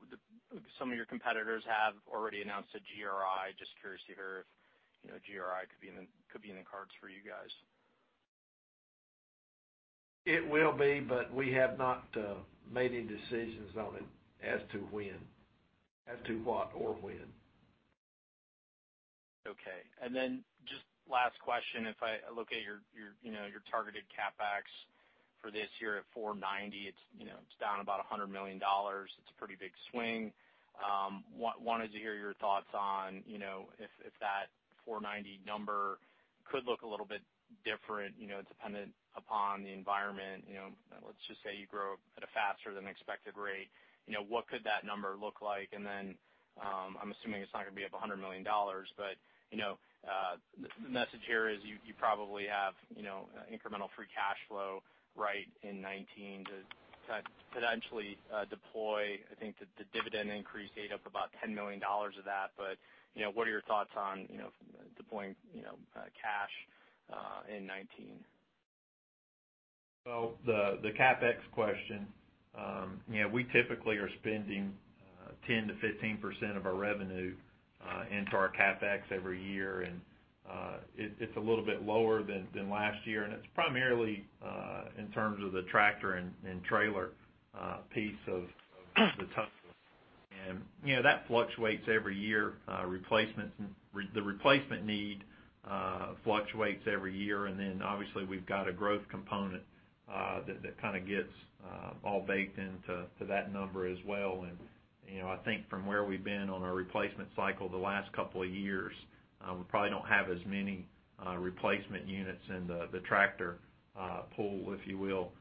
some of your competitors have already announced a GRI. Just curious to hear if, you know, a GRI could be in the cards for you guys. It will be, but we have not made any decisions on it as to when, as to what or when. Okay. Just last question. If I look at your targeted CapEx for this year at 490, it's down about $100 million. It's a pretty big swing. Wanted to hear your thoughts on if that 490 number could look a little bit different, dependent upon the environment. Let's just say you grow at a faster than expected rate, what could that number look like? I'm assuming it's not gonna be up $100 million, but the message here is you probably have incremental free cash flow right in 2019 to potentially deploy. I think that the dividend increase ate up about $10 million of that. You know, what are your thoughts on, you know, deploying, you know, cash, in 2019? Well, the CapEx question. Yeah, we typically are spending 10%-15% of our revenue into our CapEx every year. It's a little bit lower than last year, and it's primarily in terms of the tractor and trailer piece of the total. You know, that fluctuates every year. Replacements and the replacement need fluctuates every year. Obviously we've got a growth component that kinda gets all baked into that number as well. You know, I think from where we've been on our replacement cycle the last couple of years, we probably don't have as many replacement units in the tractor pool, if you will,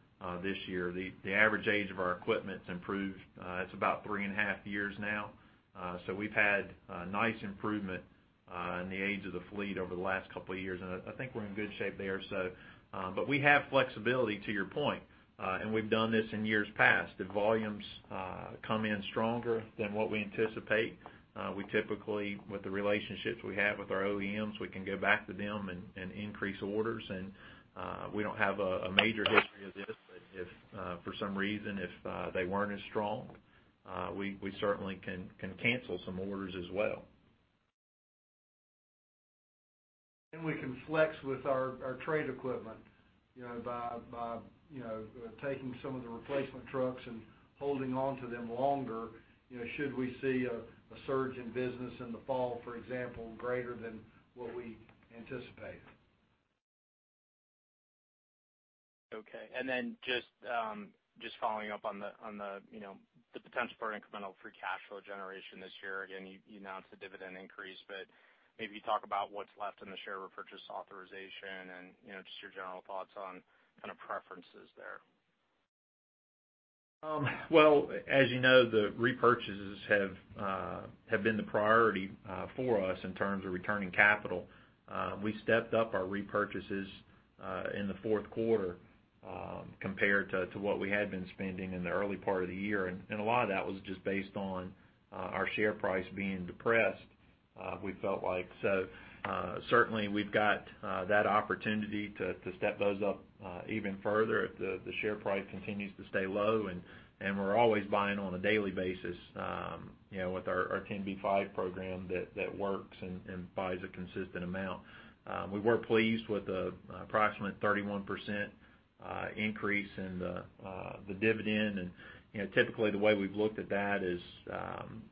this year. The average age of our equipment's improved. It's about three and a half years now. We've had nice improvement in the age of the fleet over the last couple of years, and I think we're in good shape there. We have flexibility, to your point, and we've done this in years past. The volumes come in stronger than what we anticipate. We typically, with the relationships we have with our OEMs, we can go back to them and increase orders. We don't have a major history of this, but if for some reason, if they weren't as strong, we certainly can cancel some orders as well. We can flex with our trade equipment, you know, by, you know, taking some of the replacement trucks and holding onto them longer, you know, should we see a surge in business in the fall, for example, greater than what we anticipate. Okay. Just following up on the, you know, the potential for incremental free cash flow generation this year. Again, you announced a dividend increase, but maybe talk about what's left in the share repurchase authorization and, you know, just your general thoughts on kind of preferences there? Well, as you know, the repurchases have been the priority for us in terms of returning capital. We stepped up our repurchases in the fourth quarter compared to what we had been spending in the early part of the year. A lot of that was just based on our share price being depressed, we felt like. Certainly we've got that opportunity to step those up even further if the share price continues to stay low. We're always buying on a daily basis, you know, with our 10b5-1 program that works and buys a consistent amount. We were pleased with the approximate 31% increase in the dividend. You know, typically the way we've looked at that is,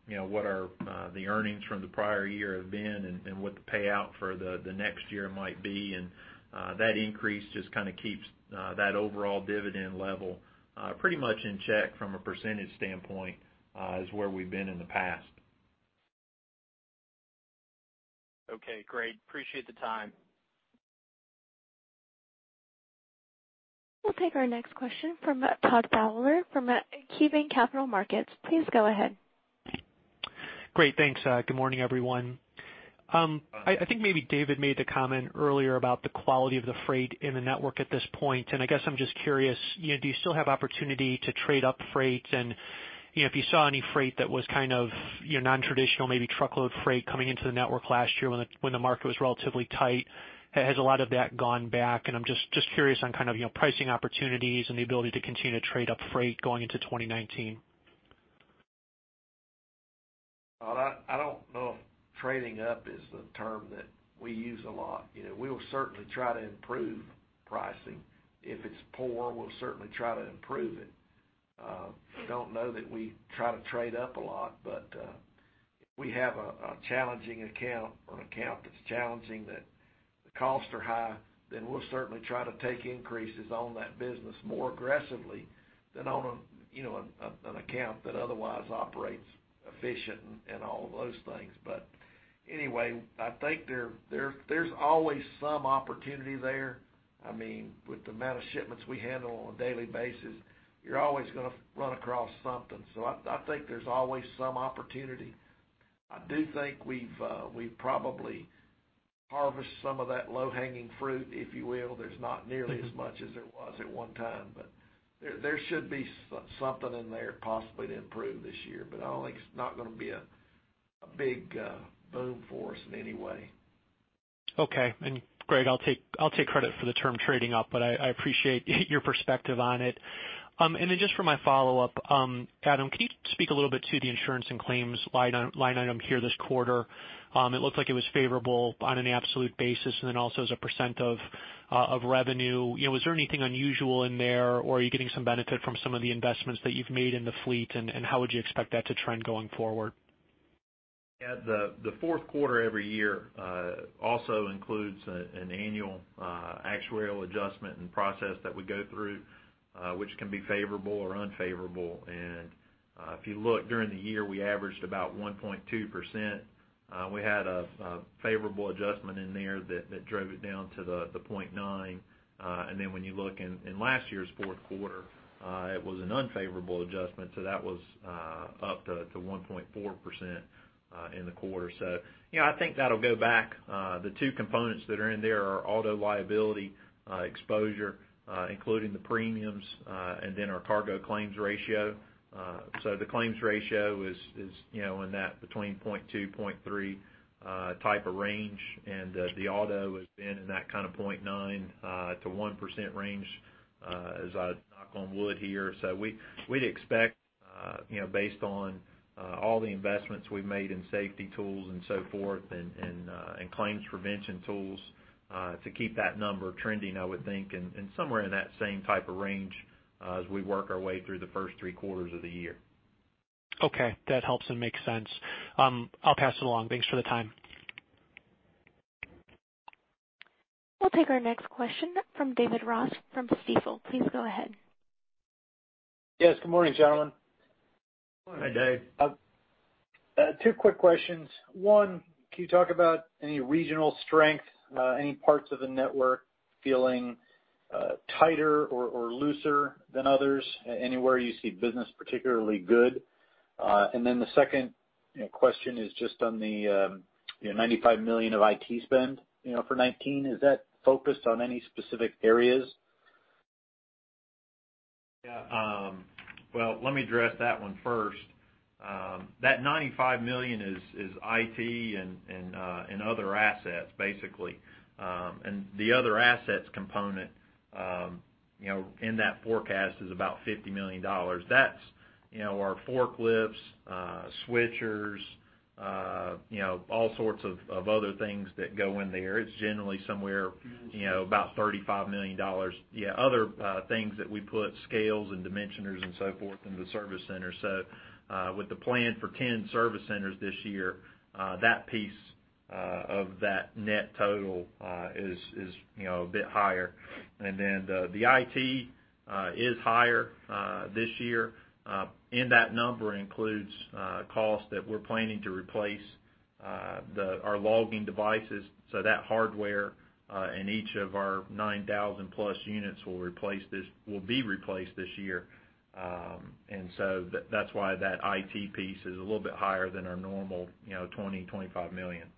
you know, what are the earnings from the prior year have been and what the payout for the next year might be. That increase just kinda keeps that overall dividend level pretty much in check from a percentage standpoint as where we've been in the past. Okay, great. Appreciate the time. We'll take our next question from Todd Fowler from KeyBanc Capital Markets. Please go ahead. Great, thanks. Good morning, everyone. I think maybe David made the comment earlier about the quality of the freight in the network at this point. I guess I'm just curious, you know, do you still have opportunity to trade up freight? If you saw any freight that was kind of, you know, non-traditional, maybe truckload freight coming into the network last year when the market was relatively tight, has a lot of that gone back? I'm just curious on kind of, you know, pricing opportunities and the ability to continue to trade up freight going into 2019. Well, I don't know if trading up is the term that we use a lot. You know, we'll certainly try to improve pricing. If it's poor, we'll certainly try to improve it. I don't know that we try to trade up a lot, but if we have a challenging account or an account that's challenging that the costs are high, then we'll certainly try to take increases on that business more aggressively than on a, you know, an account that otherwise operates efficient and all of those things. I think there's always some opportunity there. I mean, with the amount of shipments we handle on a daily basis, you're always gonna run across something. I think there's always some opportunity. I do think we've probably harvest some of that low-hanging fruit, if you will. There's not nearly as much as there was at one time, but there should be something in there possibly to improve this year, but I don't think it's not gonna be a big boom for us in any way. Okay. Greg, I'll take credit for the term trading up, but I appreciate your perspective on it. Just for my follow-up, Adam, can you speak a little bit to the insurance and claims line item here this quarter? It looked like it was favorable on an absolute basis, and then also as a percent of revenue. You know, was there anything unusual in there or are you getting some benefit from some of the investments that you've made in the fleet, and how would you expect that to trend going forward? Yeah. The fourth quarter every year also includes an annual actuarial adjustment and process that we go through, which can be favorable or unfavorable. If you look during the year, we averaged about 1.2%. We had a favorable adjustment in there that drove it down to the 0.9%. When you look in last year's fourth quarter, it was an unfavorable adjustment, so that was up to 1.4% in the quarter. You know, I think that'll go back, the two components that are in there are auto liability exposure, including the premiums, and then our cargo claims ratio. The claims ratio is, you know, in that between 0.2%-0.3% type of range. The auto has been in that kind of 0.9%-1% range as I knock on wood here. We'd expect, you know, based on all the investments we've made in safety tools and so forth and claims prevention tools, to keep that number trending, I would think, and somewhere in that same type of range as we work our way through the first three quarters of the year. Okay. That helps and makes sense. I'll pass it along. Thanks for the time. We'll take our next question from David Ross from Stifel. Please go ahead. Yes, good morning, gentlemen. Morning. Hey, Dave. Two quick questions. One, can you talk about any regional strength, any parts of the network feeling tighter or looser than others? Anywhere you see business particularly good? The second, you know, question is just on the, you know, $95 million of IT spend, you know, for 2019. Is that focused on any specific areas? Let me address that one first. That $95 million is IT and other assets, basically. The other assets component, you know, in that forecast is about $50 million. That's, you know, our forklifts, switchers, you know, all sorts of other things that go in there. It's generally somewhere, you know, about $35 million. Other things that we put scales and dimensioners and so forth in the service center. With the plan for 10 service centers this year, that piece of that net total is, you know, a bit higher. The IT is higher this year. In that number includes costs that we're planning to replace our logging devices. That hardware, in each of our 9,000+ units will be replaced this year. That's why that IT piece is a little bit higher than our normal, you know, $20 million-$25 million.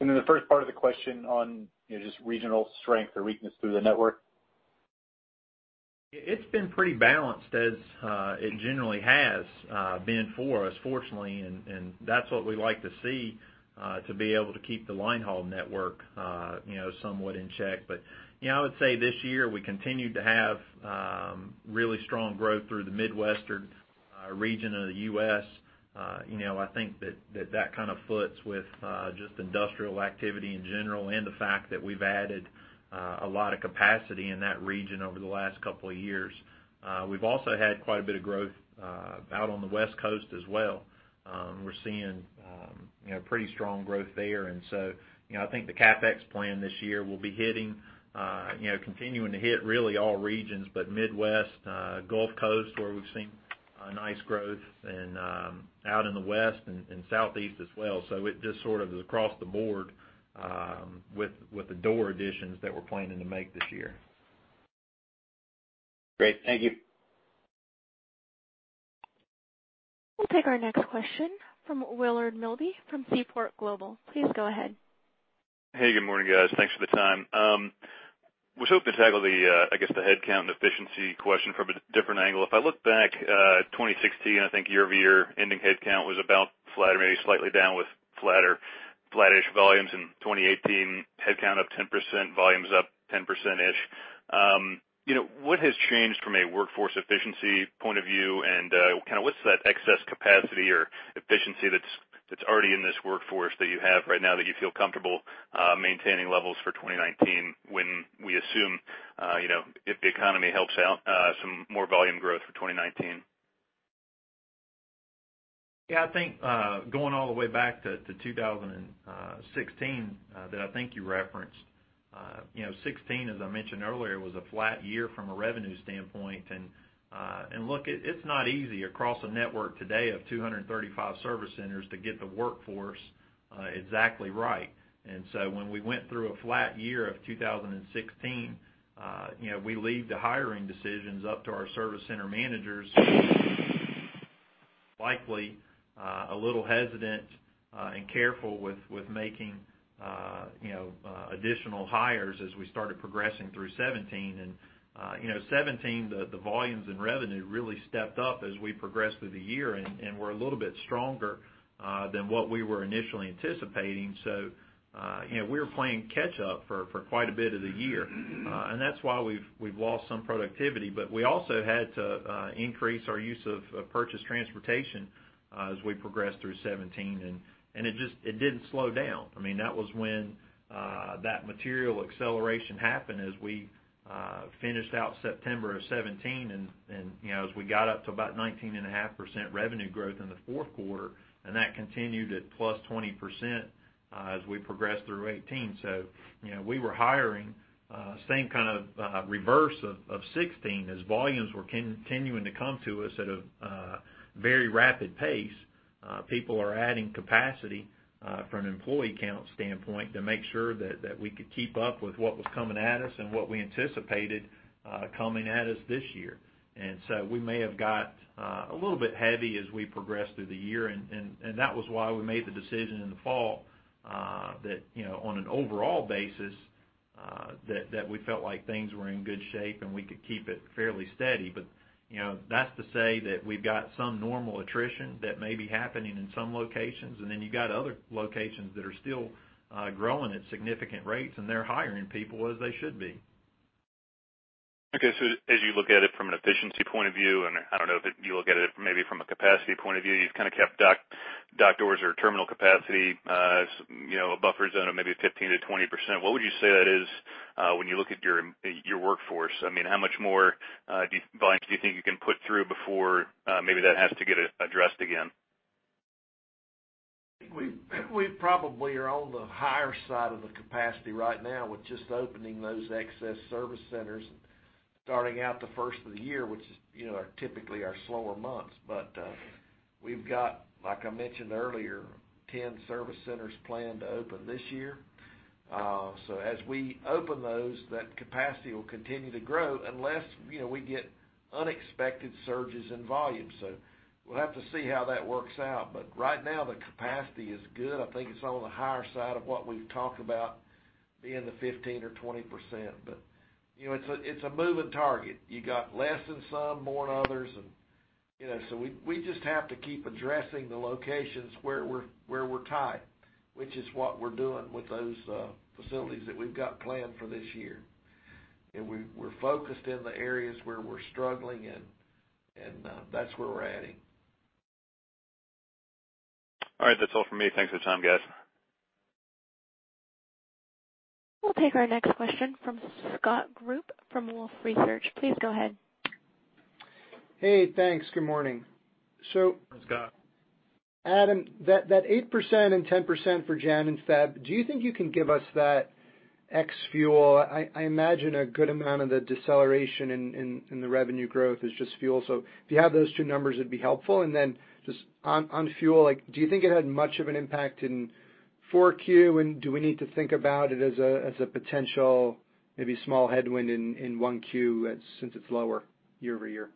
The first part of the question on, you know, just regional strength or weakness through the network. It's been pretty balanced as it generally has been for us, fortunately. That's what we like to see, to be able to keep the line haul network, you know, somewhat in check. I would say this year, we continued to have really strong growth through the Midwestern region of the U.S. I think that kind of foots with just industrial activity in general and the fact that we've added a lot of capacity in that region over the last couple of years. We've also had quite a bit of growth out on the West Coast as well. We're seeing, you know, pretty strong growth there. You know, I think the CapEx plan this year will be hitting, you know, continuing to hit really all regions, but Midwest, Gulf Coast, where we've seen nice growth and out in the West and Southeast as well. It just sort of is across the board with the door additions that we're planning to make this year. Great. Thank you. We'll take our next question from Willard Milby from Seaport Global. Please go ahead. Hey, good morning, guys. Thanks for the time. Was hoping to tackle the, I guess, the headcount and efficiency question from a different angle. If I look back, 2016, I think year-over-year ending headcount was about flat or maybe slightly down with flatter, flattish volumes. In 2018, headcount up 10%, volumes up 10%-ish. You know, what has changed from a workforce efficiency point of view? Kinda what's that excess capacity or efficiency that's already in this workforce that you have right now that you feel comfortable maintaining levels for 2019 when we assume, you know, if the economy helps out, some more volume growth for 2019? I think, going all the way back to 2016, that I think you referenced. You know, 2016, as I mentioned earlier, was a flat year from a revenue standpoint. Look, it's not easy across a network today of 235 service centers to get the workforce exactly right. When we went through a flat year of 2016, you know, we leave the hiring decisions up to our service center managers, likely, a little hesitant, and careful with making, you know, additional hires as we started progressing through 2017. You know, 2017, the volumes in revenue really stepped up as we progressed through the year, and were a little bit stronger than what we were initially anticipating. You know, we were playing catch up for quite a bit of the year. That's why we've lost some productivity, but we also had to increase our use of purchased transportation as we progressed through 2017. It didn't slow down. I mean, that was when that material acceleration happened as we finished out September of 2017, and, you know, as we got up to about 19.5% revenue growth in the fourth quarter, and that continued at +20% as we progressed through 2018. You know, we were hiring, same kind of reverse of 2016 as volumes were continuing to come to us at a very rapid pace. People are adding capacity, from an employee count standpoint to make sure that we could keep up with what was coming at us and what we anticipated coming at us this year. We may have got a little bit heavy as we progressed through the year and that was why we made the decision in the fall, that, you know, on an overall basis, that we felt like things were in good shape and we could keep it fairly steady. You know, that's to say that we've got some normal attrition that may be happening in some locations, and then you've got other locations that are still growing at significant rates, and they're hiring people as they should be. As you look at it from an efficiency point of view, and I don't know if you look at it maybe from a capacity point of view, you've kinda kept dock doors or terminal capacity, you know, a buffer zone of maybe 15%-20%. What would you say that is, when you look at your workforce? I mean, how much more volumes do you think you can put through before maybe that has to get addressed again? We probably are on the higher side of the capacity right now with just opening those excess service centers starting out the first of the year, which is, you know, are typically our slower months. We've got, like I mentioned earlier, 10 service centers planned to open this year. As we open those, that capacity will continue to grow unless, you know, we get unexpected surges in volume. We'll have to see how that works out. Right now, the capacity is good. I think it's on the higher side of what we've talked about being the 15% or 20%. You know, it's a moving target. You got less in some, more in others, and, you know, we just have to keep addressing the locations where we're tight, which is what we're doing with those facilities that we've got planned for this year. We're focused in the areas where we're struggling and that's where we're adding. All right, that's all for me. Thanks for the time, guys. We'll take our next question from Scott Group from Wolfe Research. Please go ahead. Hey, thanks. Good morning. Hi, Scott. Adam, that 8% and 10% for Jan and Feb, do you think you can give us that ex fuel? I imagine a good amount of the deceleration in the revenue growth is just fuel. If you have those two numbers, it'd be helpful. Just on fuel, like, do you think it had much of an impact in 4Q? Do we need to think about it as a potential, maybe small headwind in 1Q since it's lower year-over-year?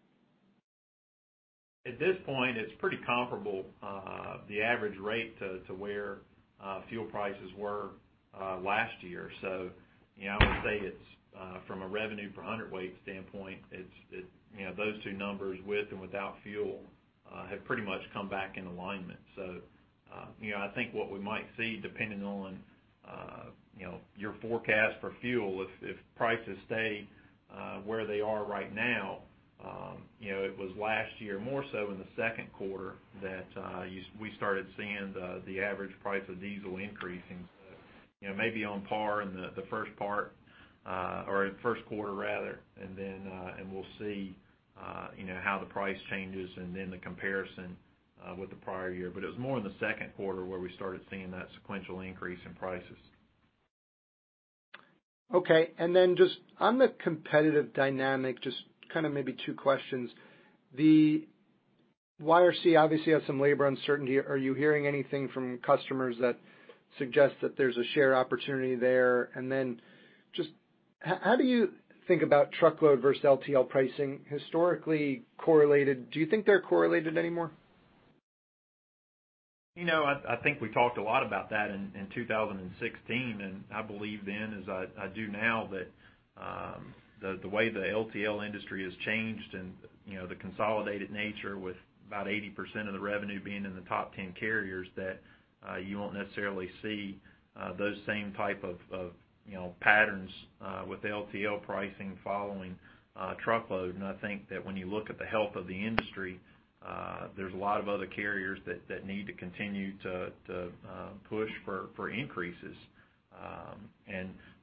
At this point, it's pretty comparable, the average rate to where fuel prices were last year. You know, I would say it's from a revenue per hundredweight standpoint, you know, those two numbers with and without fuel have pretty much come back in alignment. You know, I think what we might see, depending on, you know, your forecast for fuel if prices stay where they are right now, you know, it was last year, more so in the second quarter, that we started seeing the average price of diesel increasing. You know, maybe on par in the first part, or first quarter rather. We'll see, you know, how the price changes and then the comparison with the prior year. It was more in the second quarter where we started seeing that sequential increase in prices. Okay. Just on the competitive dynamic, just kinda maybe two questions. The YRC obviously has some labor uncertainty. Are you hearing anything from customers that suggest that there's a share opportunity there? Just how do you think about truckload versus LTL pricing historically correlated? Do you think they're correlated anymore? You know, I think we talked a lot about that in 2016, and I believe then as I do now that the way the LTL industry has changed and, you know, the consolidated nature with about 80% of the revenue being in the top 10 carriers, that you won't necessarily see those same type of, you know, patterns with LTL pricing following truckload. I think that when you look at the health of the industry, there's a lot of other carriers that need to continue to push for increases.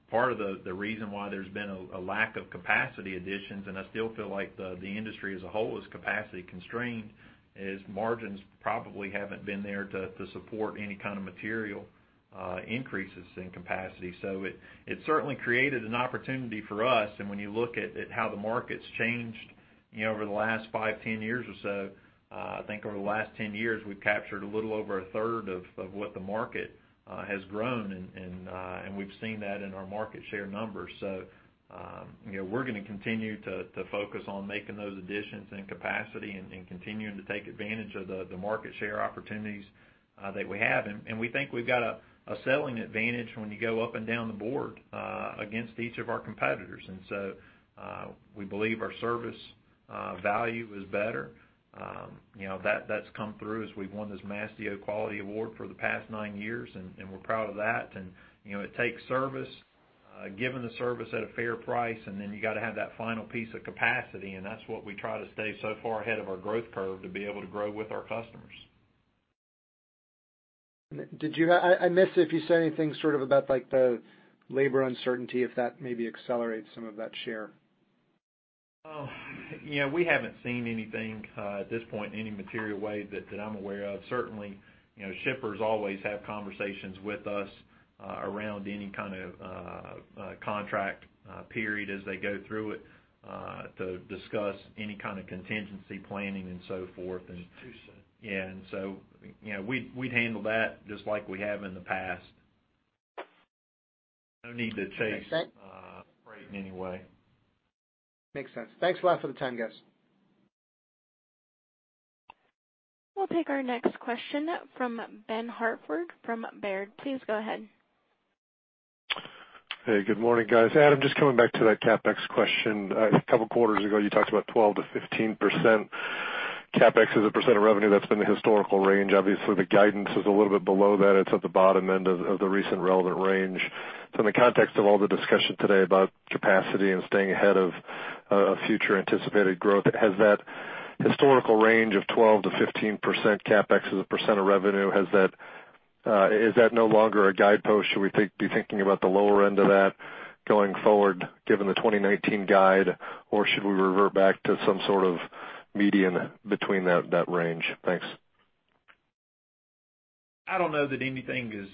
Part of the reason why there's been a lack of capacity additions, and I still feel like the industry as a whole is capacity constrained, is margins probably haven't been there to support any kind of material increases in capacity. It certainly created an opportunity for us. When you look at how the market's changed, you know, over the last five, 10 years or so, I think over the last 10 years, we've captured a little over 1/3 of what the market has grown, and we've seen that in our market share numbers. You know, we're gonna continue to focus on making those additions and capacity and continuing to take advantage of the market share opportunities that we have. We think we've got a selling advantage when you go up and down the board, against each of our competitors. We believe our service value is better. You know, that's come through as we've won this Mastio Quality Award for the past nine years, and we're proud of that. You know, it takes service, giving the service at a fair price, and then you gotta have that final piece of capacity, and that's what we try to stay so far ahead of our growth curve to be able to grow with our customers. Did you have I missed if you said anything sort of about like the labor uncertainty, if that maybe accelerates some of that share? Well, you know, we haven't seen anything at this point in any material way that I'm aware of. Certainly, you know, shippers always have conversations with us around any kind of contract period as they go through it to discuss any kind of contingency planning and so forth. It's too soon. Yeah, you know, we'd handle that just like we have in the past. No need to chase. Makes sense. freight in any way. Makes sense. Thanks a lot for the time, guys. We'll take our next question from Ben Hartford from Baird. Please go ahead. Hey, good morning, guys. Adam, just coming back to that CapEx question. A couple quarters ago, you talked about 12%-15% CapEx as a percent of revenue. That's been the historical range. Obviously, the guidance is a little bit below that. It's at the bottom end of the recent relevant range. In the context of all the discussion today about capacity and staying ahead of future anticipated growth, has that historical range of 12%-15% CapEx as a percent of revenue, has that, is that no longer a guidepost? Should we be thinking about the lower end of that going forward, given the 2019 guide? Or should we revert back to some sort of median between that range? Thanks. I don't know that anything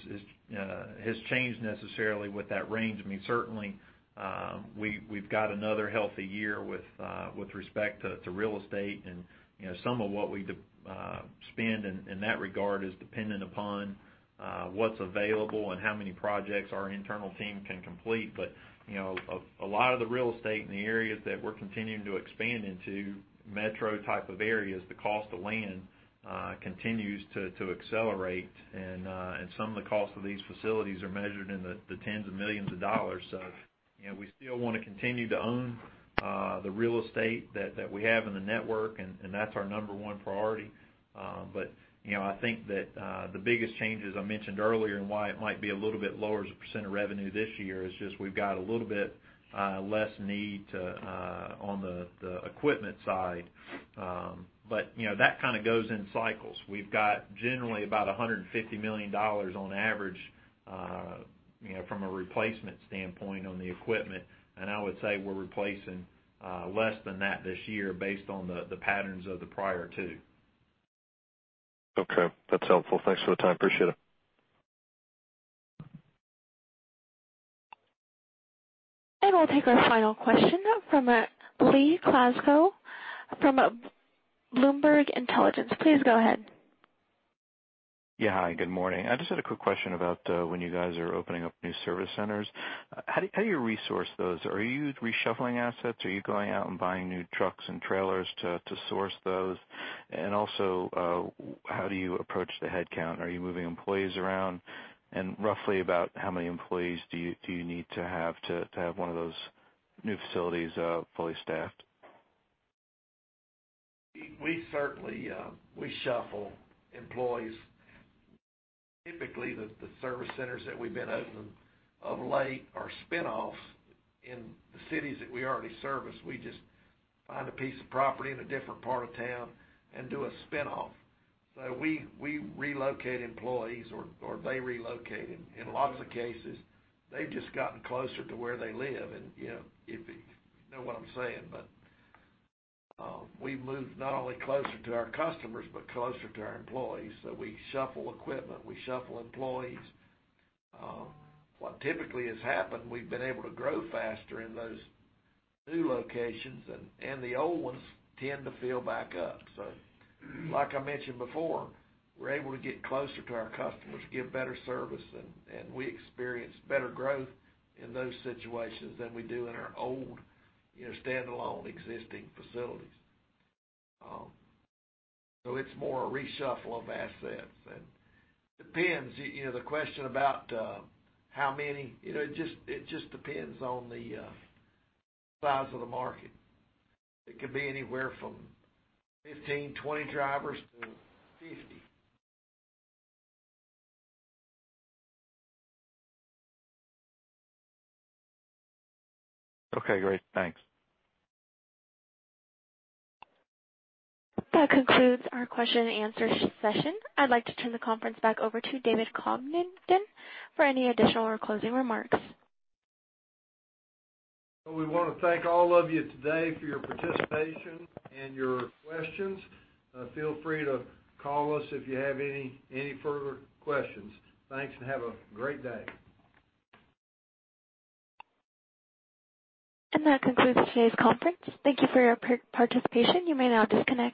has changed necessarily with that range. I mean, certainly, we've got another healthy year with respect to real estate and, you know, some of what we spend in that regard is dependent upon what's available and how many projects our internal team can complete. You know, a lot of the real estate in the areas that we're continuing to expand into, metro type of areas, the cost of land continues to accelerate. Some of the cost of these facilities are measured in the tens of millions of dollars. You know, we still wanna continue to own the real estate that we have in the network, and that's our number one priority. You know, I think that the biggest changes I mentioned earlier and why it might be a little bit lower as a percent of revenue this year is just we've got a little bit less need to on the equipment side. You know, that kind of goes in cycles. We've got generally about $150 million on average, you know, from a replacement standpoint on the equipment, and I would say we're replacing less than that this year based on the patterns of the prior two. Okay. That's helpful. Thanks for the time. Appreciate it. We'll take our final question from, Lee Klaskow from Bloomberg Intelligence. Please go ahead. Yeah. Hi, good morning. I just had a quick question about when you guys are opening up new service centers. How do you resource those? Are you reshuffling assets? Are you going out and buying new trucks and trailers to source those? Also, how do you approach the headcount? Are you moving employees around? Roughly about how many employees do you need to have to have one of those new facilities fully staffed? We certainly, we shuffle employees. Typically, the service centers that we've been opening of late are spinoffs in the cities that we already service. We just find a piece of property in a different part of town and do a spinoff. We relocate employees or they relocate. In lots of cases, they've just gotten closer to where they live and, you know, if you know what I'm saying. We've moved not only closer to our customers, but closer to our employees. We shuffle equipment, we shuffle employees. What typically has happened, we've been able to grow faster in those new locations and the old ones tend to fill back up. Like I mentioned before, we're able to get closer to our customers, give better service and we experience better growth in those situations than we do in our old, you know, standalone existing facilities. It's more a reshuffle of assets and depends, you know, the question about how many. You know, it just depends on the size of the market. It could be anywhere from 15, 20 drivers to 50. Okay, great. Thanks. That concludes our question and answer session. I'd like to turn the conference back over to David Congdon for any additional or closing remarks. Well, we wanna thank all of you today for your participation and your questions. Feel free to call us if you have any further questions. Thanks, and have a great day. That concludes today's conference. Thank you for your participation. You may now disconnect.